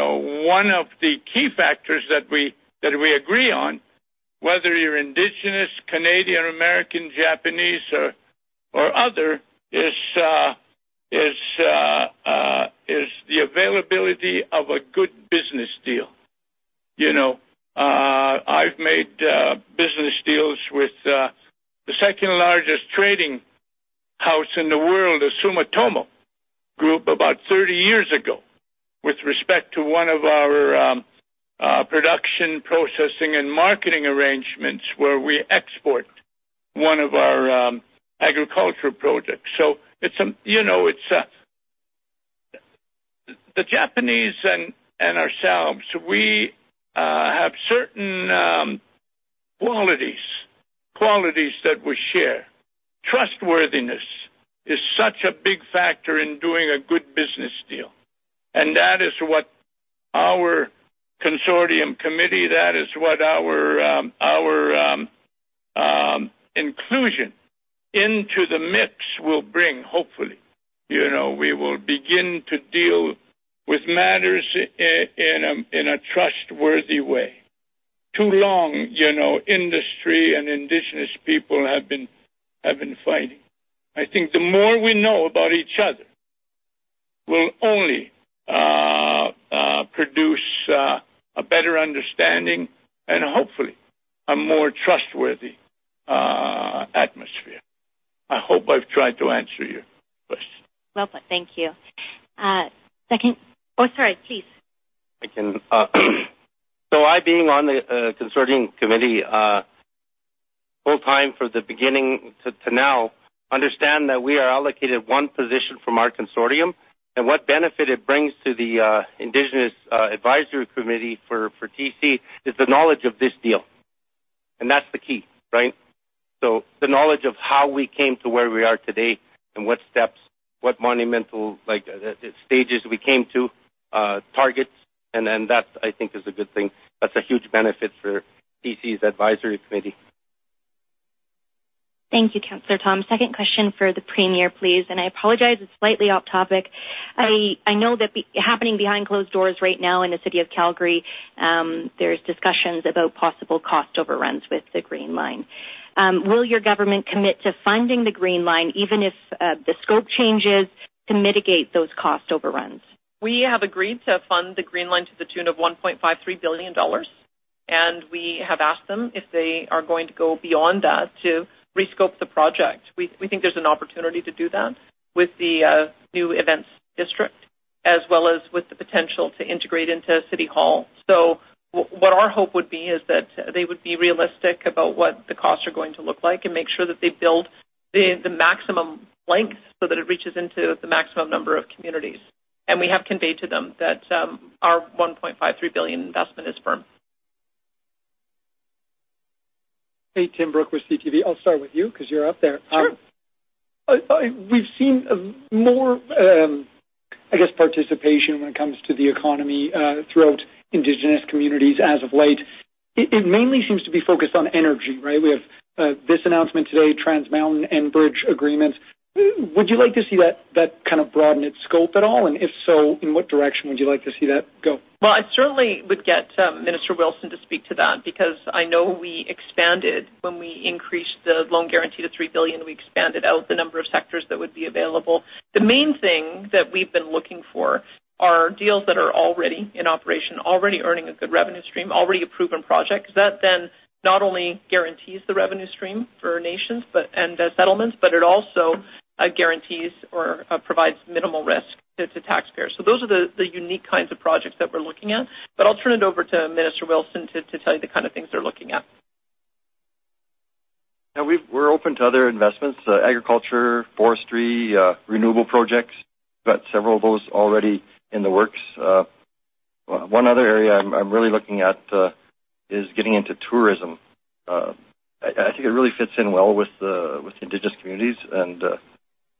One of the key factors that we agree on, whether you're Indigenous, Canadian, American, Japanese, or other, is the availability of a good business deal. I've made business deals with the second largest trading house in the world, the Sumitomo Group, about 30 years ago with respect to one of our production, processing, and marketing arrangements where we export one of our agricultural products. So it's the Japanese and ourselves. We have certain qualities that we share. Trustworthiness is such a big factor in doing a good business deal. And that is what our consortium committee, that is what our inclusion into the mix will bring, hopefully. We will begin to deal with matters in a trustworthy way. Too long, industry and Indigenous people have been fighting. I think the more we know about each other will only produce a better understanding and hopefully a more trustworthy atmosphere. I hope I've tried to answer your question. Well put. Thank you. Oh, sorry. Please. So, I, being on the Consortium Committee full-time from the beginning to now, understand that we are allocated one position from our consortium. And what benefit it brings to the Indigenous Advisory Committee for TC is the knowledge of this deal. And that's the key, right? So, the knowledge of how we came to where we are today and what steps, what monumental stages we came to, targets. And that, I think, is a good thing. That's a huge benefit for TC's Advisory Committee. Thank you, Councillor Thom. Second question for the Premier, please. And I apologize. It's slightly off topic. I know that happening behind closed doors right now in the city of Calgary, there's discussions about possible cost overruns with the Green Line. Will your government commit to funding the Green Line, even if the scope changes, to mitigate those cost overruns? We have agreed to fund the Green Line to the tune of 1.53 billion dollars. We have asked them if they are going to go beyond that to rescope the project. We think there's an opportunity to do that with the new events district as well as with the potential to integrate into City Hall. So what our hope would be is that they would be realistic about what the costs are going to look like and make sure that they build the maximum length so that it reaches into the maximum number of communities. We have conveyed to them that our 1.53 billion investment is firm. Hey, Timm Bruch with CTV. I'll start with you because you're up there. Sure. We've seen more, I guess, participation when it comes to the economy throughout Indigenous communities as of late. It mainly seems to be focused on energy, right? We have this announcement today, Trans Mountain and Enbridge agreements. Would you like to see that kind of broaden its scope at all? And if so, in what direction would you like to see that go? Well, I certainly would get Minister Wilson to speak to that because I know we expanded when we increased the loan guarantee to 3 billion. We expanded out the number of sectors that would be available. The main thing that we've been looking for are deals that are already in operation, already earning a good revenue stream, already a proven project. That then not only guarantees the revenue stream for nations and settlements, but it also guarantees or provides minimal risk to taxpayers. So those are the unique kinds of projects that we're looking at. But I'll turn it over to Minister Wilson to tell you the kind of things they're looking at. Now, we're open to other investments: agriculture, forestry, renewable projects. We've got several of those already in the works. One other area I'm really looking at is getting into tourism. I think it really fits in well with Indigenous communities.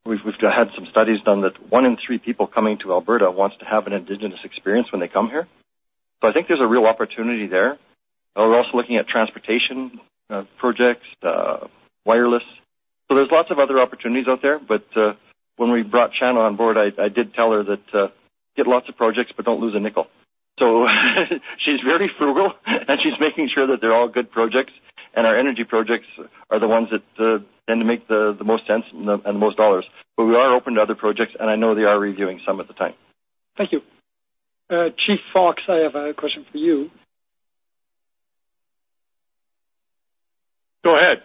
And we've had some studies done that one in three people coming to Alberta wants to have an Indigenous experience when they come here. So I think there's a real opportunity there. We're also looking at transportation projects, wireless. So there's lots of other opportunities out there. But when we brought Chana on board, I did tell her that get lots of projects, but don't lose a nickel. So she's very frugal, and she's making sure that they're all good projects. And our energy projects are the ones that tend to make the most sense and the most dollars. But we are open to other projects, and I know they are reviewing some at the time. Thank you. Chief Fox, I have a question for you. Go ahead.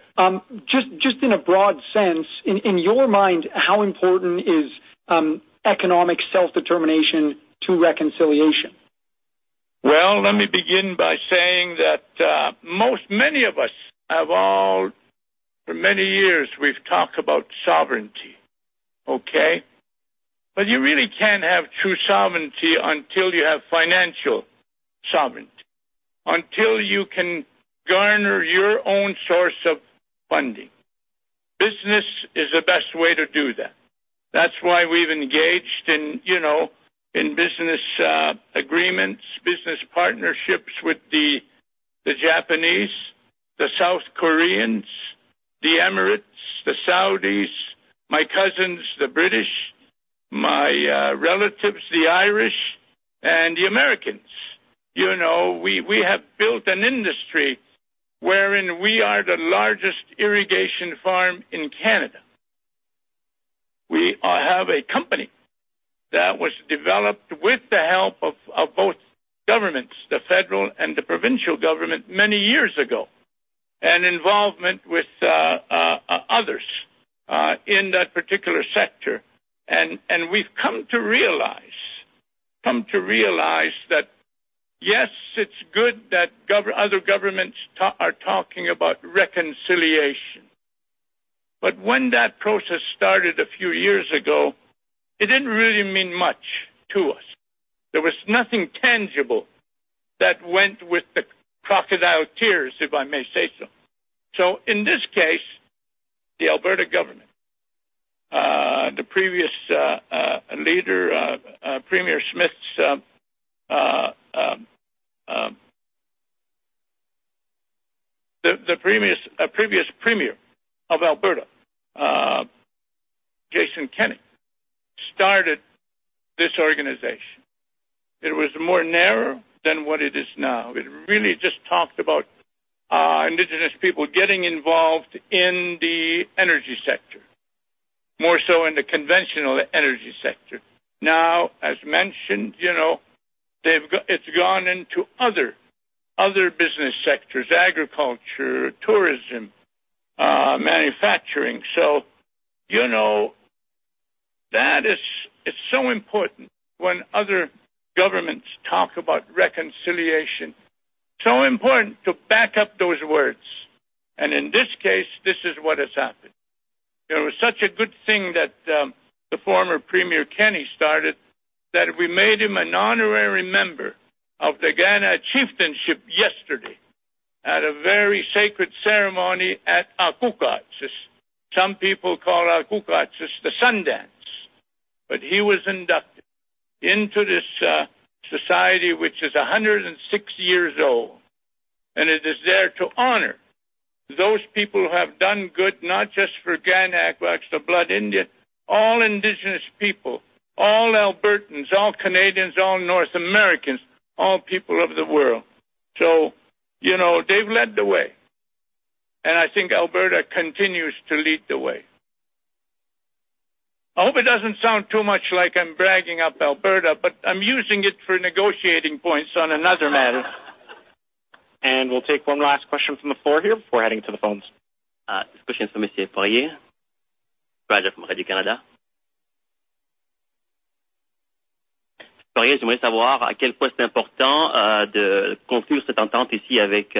Just in a broad sense, in your mind, how important is economic self-determination to reconciliation? Well, let me begin by saying that most, many of us have all, for many years, we've talked about sovereignty, okay? But you really can't have true sovereignty until you have financial sovereignty, until you can garner your own source of funding. Business is the best way to do that. That's why we've engaged in business agreements, business partnerships with the Japanese, the South Koreans, the Emirates, the Saudis, my cousins, the British, my relatives, the Irish, and the Americans. We have built an industry wherein we are the largest irrigation farm in Canada. We have a company that was developed with the help of both governments, the federal and the provincial government, many years ago, and involvement with others in that particular sector. We've come to realize that, yes, it's good that other governments are talking about reconciliation. But when that process started a few years ago, it didn't really mean much to us. There was nothing tangible that went with the crocodile tears, if I may say so. So in this case, the Alberta government, the previous leader, Premier Smith's, the previous Premier of Alberta, Jason Kenney, started this organization. It was more narrow than what it is now. It really just talked about Indigenous people getting involved in the energy sector, more so in the conventional energy sector. Now, as mentioned, it's gone into other business sectors: agriculture, tourism, manufacturing. So that is so important when other governments talk about reconciliation. So important to back up those words. And in this case, this is what has happened. It was such a good thing that the former Premier Kenney started that we made him an honorary member of the Kainai Chieftainship yesterday at a very sacred ceremony at Aako'ka'tssin. Some people call Aako'ka'tssin the Sun Dance. But he was inducted into this society, which is 106 years old, and it is there to honor those people who have done good, not just for Kainai or Aako'ka'tssin or Blood Tribe, all Indigenous people, all Albertans, all Canadians, all North Americans, all people of the world. So they've led the way. I think Alberta continues to lead the way. I hope it doesn't sound too much like I'm bragging up Alberta, but I'm using it for negotiating points on another matter. We'll take one last question from the floor here before heading to the phones. J'aimerais savoir à quel point c'est important de conclure cette entente ici avec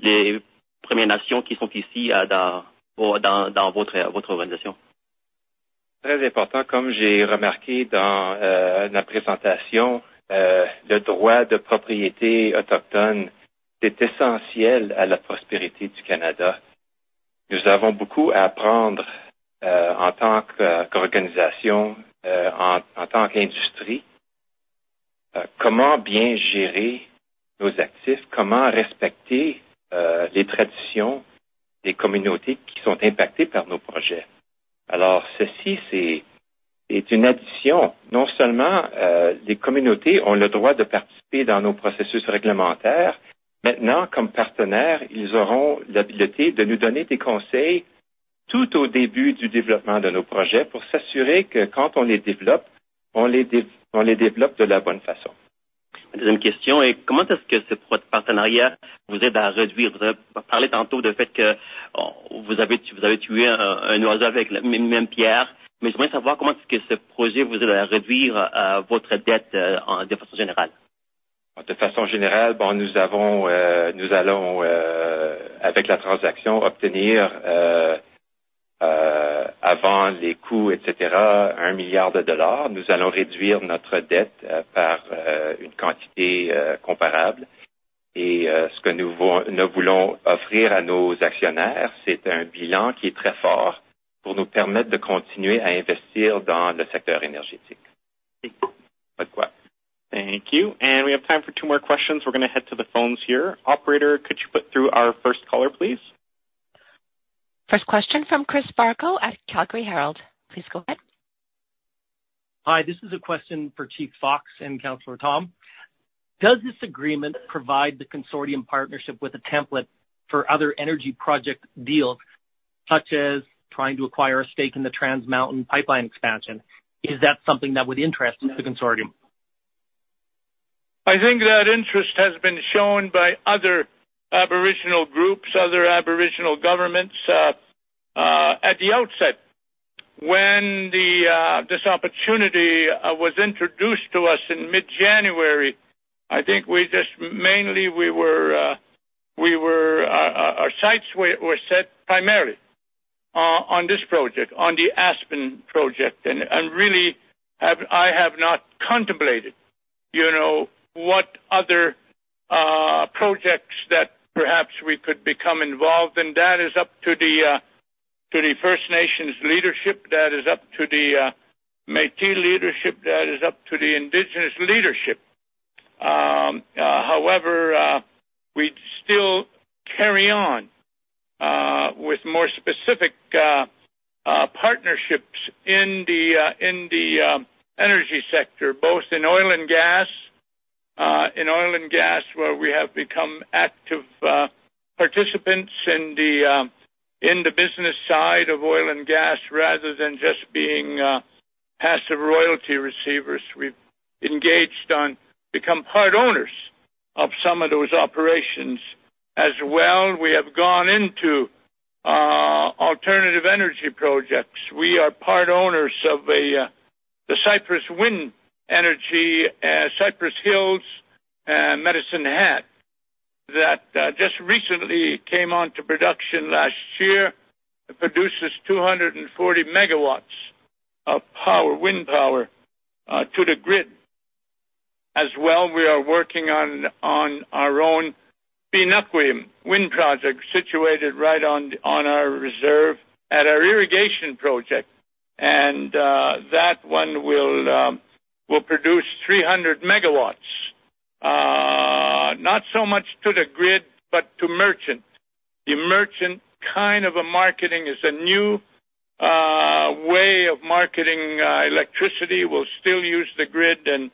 les Premières Nations qui sont ici dans votre organisation? Très important. Comme j'ai remarqué dans la présentation, le droit de propriété autochtone est essentiel à la prospérité du Canada. Nous avons beaucoup à apprendre en tant qu'organisation, en tant qu'industrie, comment bien gérer nos actifs, comment respecter les traditions des communautés qui sont impactées par nos projets. Alors ceci est une addition. Non seulement les communautés ont le droit de participer dans nos processus réglementaires, maintenant, comme partenaires, ils auront l'habileté de nous donner des conseils tout au début du développement de nos projets pour s'assurer que quand on les développe, on les développe de la bonne façon. Ma deuxième question est: comment est-ce que ce partenariat vous aide à réduire? Vous avez parlé tantôt du fait que vous avez tué un oiseau avec la même pierre. Mais j'aimerais savoir comment est-ce que ce projet vous aide à réduire votre dette de façon générale. De façon générale, nous allons, avec la transaction, obtenir, avant les coûts, etc., 1 milliard de dollars. Nous allons réduire notre dette par une quantité comparable. Et ce que nous voulons offrir à nos actionnaires, c'est un bilan qui est très fort pour nous permettre de continuer à investir dans le secteur énergétique. Thank you. We have time for two more questions. We're going to head to the phones here. Operator, could you put through our first caller, please? First question from Chris Varcoe at Calgary Herald. Please go ahead. Hi. This is a question for Chief Fox and Councillor Thom. Does this agreement provide the consortium partnership with a template for other energy project deals, such as trying to acquire a stake in the Trans Mountain pipeline expansion? Is that something that would interest the consortium? I think that interest has been shown by other Aboriginal groups, other Aboriginal governments at the outset. When this opportunity was introduced to us in mid-January, I think mainly our sights were set primarily on this project, on the Project Aspen. And really, I have not contemplated what other projects that perhaps we could become involved in. That is up to the First Nations leadership. That is up to the Métis leadership. That is up to the Indigenous leadership. However, we still carry on with more specific partnerships in the energy sector, both in oil and gas, where we have become active participants in the business side of oil and gas rather than just being passive royalty receivers. We've engaged on become part owners of some of those operations. As well, we have gone into alternative energy projects. We are part owners of the Cypress Wind Energy, Cypress Hills, and Medicine Hat that just recently came on to production last year and produces 240 MW of wind power to the grid. As well, we are working on our own Binakwim wind project situated right on our reserve at our irrigation project. And that one will produce 300 MW, not so much to the grid, but to merchant. The merchant kind of marketing is a new way of marketing electricity. We'll still use the grid, and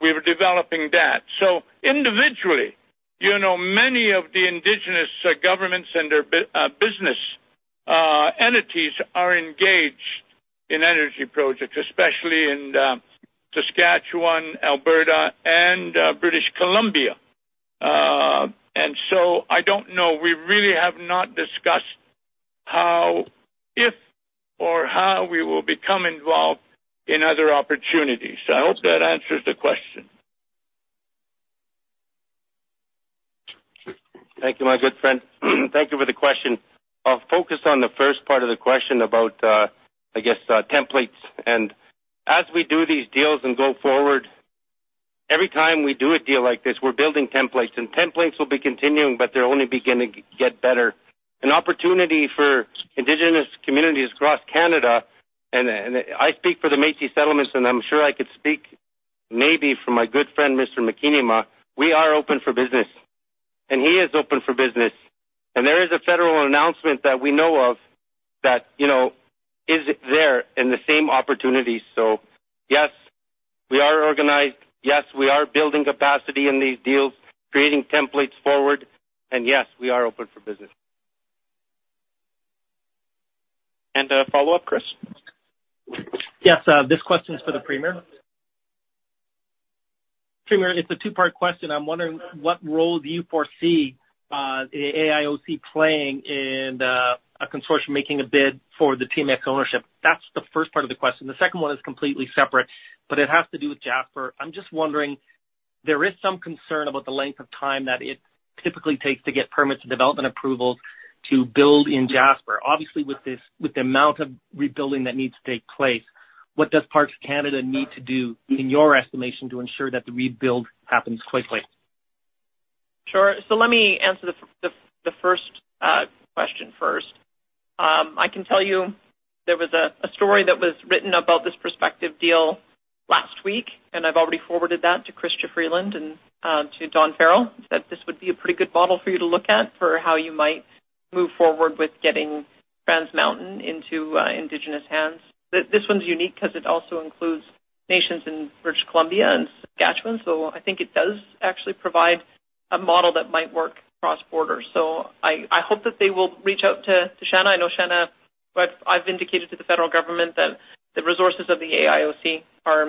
we're developing that. So individually, many of the Indigenous governments and their business entities are engaged in energy projects, especially in Saskatchewan, Alberta, and British Columbia. And so I don't know. We really have not discussed if or how we will become involved in other opportunities. I hope that answers the question. Thank you, my good friend. Thank you for the question. I'll focus on the first part of the question about, I guess, templates. As we do these deals and go forward, every time we do a deal like this, we're building templates. Templates will be continuing, but they're only beginning to get better. An opportunity for Indigenous communities across Canada, and I speak for the Métis settlements, and I'm sure I could speak maybe for my good friend, Mr. Makiinima. We are open for business, and he is open for business. There is a federal announcement that we know of that is there in the same opportunity. So yes, we are organized. Yes, we are building capacity in these deals, creating templates forward. Yes, we are open for business. A follow-up, Chris? Yes. This question is for the Premier. Premier, it's a two-part question. I'm wondering what role do you foresee the AIOC playing in a consortium making a bid for the TMX ownership? That's the first part of the question. The second one is completely separate, but it has to do with Jasper. I'm just wondering, there is some concern about the length of time that it typically takes to get permits and development approvals to build in Jasper. Obviously, with the amount of rebuilding that needs to take place, what does Parks Canada need to do, in your estimation, to ensure that the rebuild happens quickly? Sure. So let me answer the first question first. I can tell you there was a story that was written about this prospective deal last week, and I've already forwarded that to Chrystia Freeland and to Dawn Farrell. He said this would be a pretty good model for you to look at for how you might move forward with getting Trans Mountain into Indigenous hands. This one's unique because it also includes nations in British Columbia and Saskatchewan. So I think it does actually provide a model that might work cross-border. So I hope that they will reach out to Chana. I know Chana, I've indicated to the federal government that the resources of the AIOC are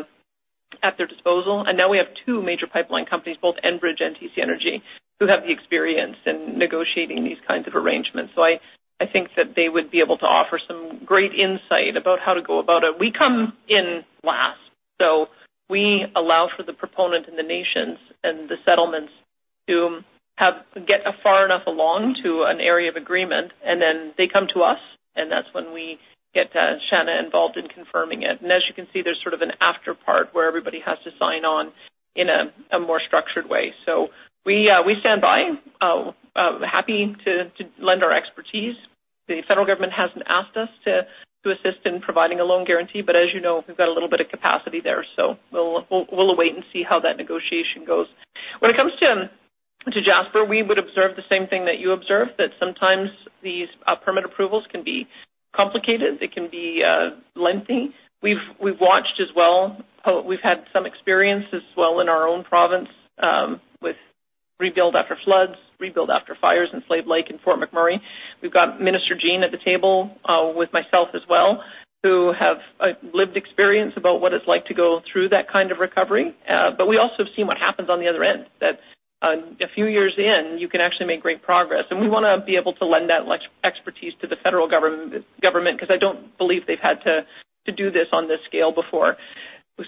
at their disposal. And now we have two major pipeline companies, both Enbridge and TC Energy, who have the experience in negotiating these kinds of arrangements. So I think that they would be able to offer some great insight about how to go about it. We come in last. So we allow for the proponent and the nations and the settlements to get far enough along to an area of agreement, and then they come to us, and that's when we get Chana involved in confirming it. And as you can see, there's sort of an afterpart where everybody has to sign on in a more structured way. So we stand by, happy to lend our expertise. The federal government hasn't asked us to assist in providing a loan guarantee, but as you know, we've got a little bit of capacity there. So we'll await and see how that negotiation goes. When it comes to Jasper, we would observe the same thing that you observed, that sometimes these permit approvals can be complicated. They can be lengthy. We've watched as well. We've had some experience as well in our own province with rebuild after floods, rebuild after fires in Slave Lake and Fort McMurray. We've got Minister Jean at the table with myself as well, who have lived experience about what it's like to go through that kind of recovery. But we also have seen what happens on the other end, that a few years in, you can actually make great progress. And we want to be able to lend that expertise to the federal government because I don't believe they've had to do this on this scale before.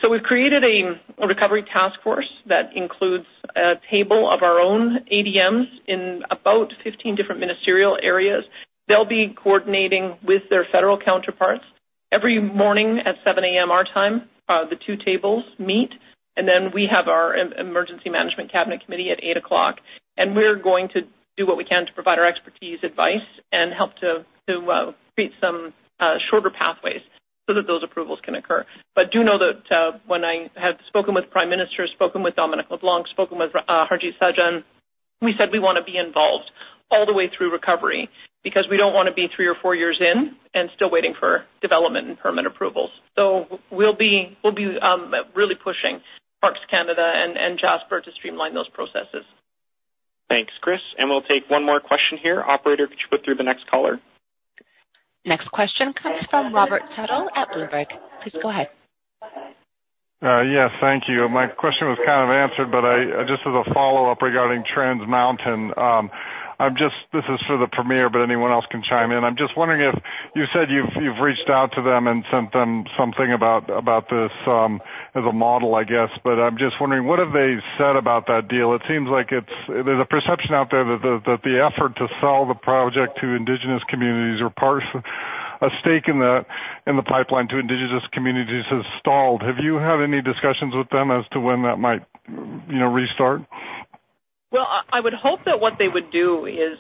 So we've created a recovery task force that includes a table of our own ADMs in about 15 different ministerial areas. They'll be coordinating with their federal counterparts. Every morning at 7:00 A.M. our time, the two tables meet, and then we have our emergency management cabinet committee at 8:00 A.M. We're going to do what we can to provide our expertise, advice, and help to create some shorter pathways so that those approvals can occur. But do know that when I have spoken with Prime Minister, spoken with Dominic LeBlanc, spoken with Harjit Sajjan, we said we want to be involved all the way through recovery because we don't want to be three or four years in and still waiting for development and permit approvals. We'll be really pushing Parks Canada and Jasper to streamline those processes. Thanks, Chris. We'll take one more question here. Operator, could you put through the next caller? Next question comes from Robert Tuttle at Bloomberg. Please go ahead. Yes, thank you. My question was kind of answered, but just as a follow-up regarding Trans Mountain, this is for the Premier, but anyone else can chime in. I'm just wondering if you said you've reached out to them and sent them something about this as a model, I guess. But I'm just wondering, what have they said about that deal? It seems like there's a perception out there that the effort to sell the project to Indigenous communities or perhaps a stake in the pipeline to Indigenous communities has stalled. Have you had any discussions with them as to when that might restart? Well, I would hope that what they would do is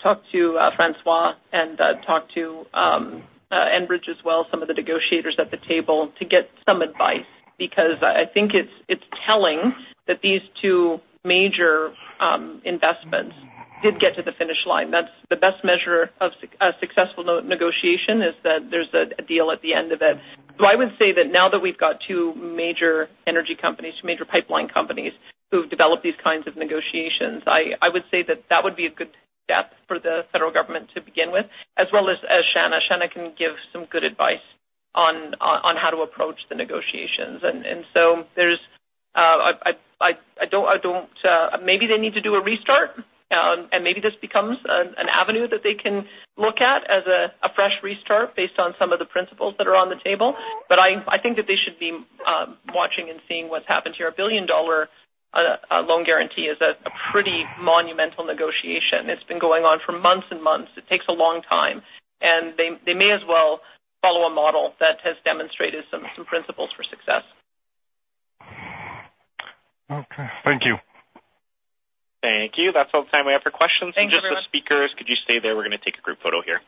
talk to François and talk to Enbridge as well, some of the negotiators at the table, to get some advice because I think it's telling that these two major investments did get to the finish line. The best measure of successful negotiation is that there's a deal at the end of it. So I would say that now that we've got two major energy companies, two major pipeline companies who've developed these kinds of negotiations, I would say that that would be a good step for the federal government to begin with, as well as Chana. Chana can give some good advice on how to approach the negotiations. And so, I don't, maybe they need to do a restart, and maybe this becomes an avenue that they can look at as a fresh restart based on some of the principles that are on the table. But I think that they should be watching and seeing what's happened here. A billion-dollar loan guarantee is a pretty monumental negotiation. It's been going on for months and months. It takes a long time. They may as well follow a model that has demonstrated some principles for success. Okay. Thank you. Thank you. That's all the time we have for questions. Just for speakers, could you stay there? We're going to take a group photo here.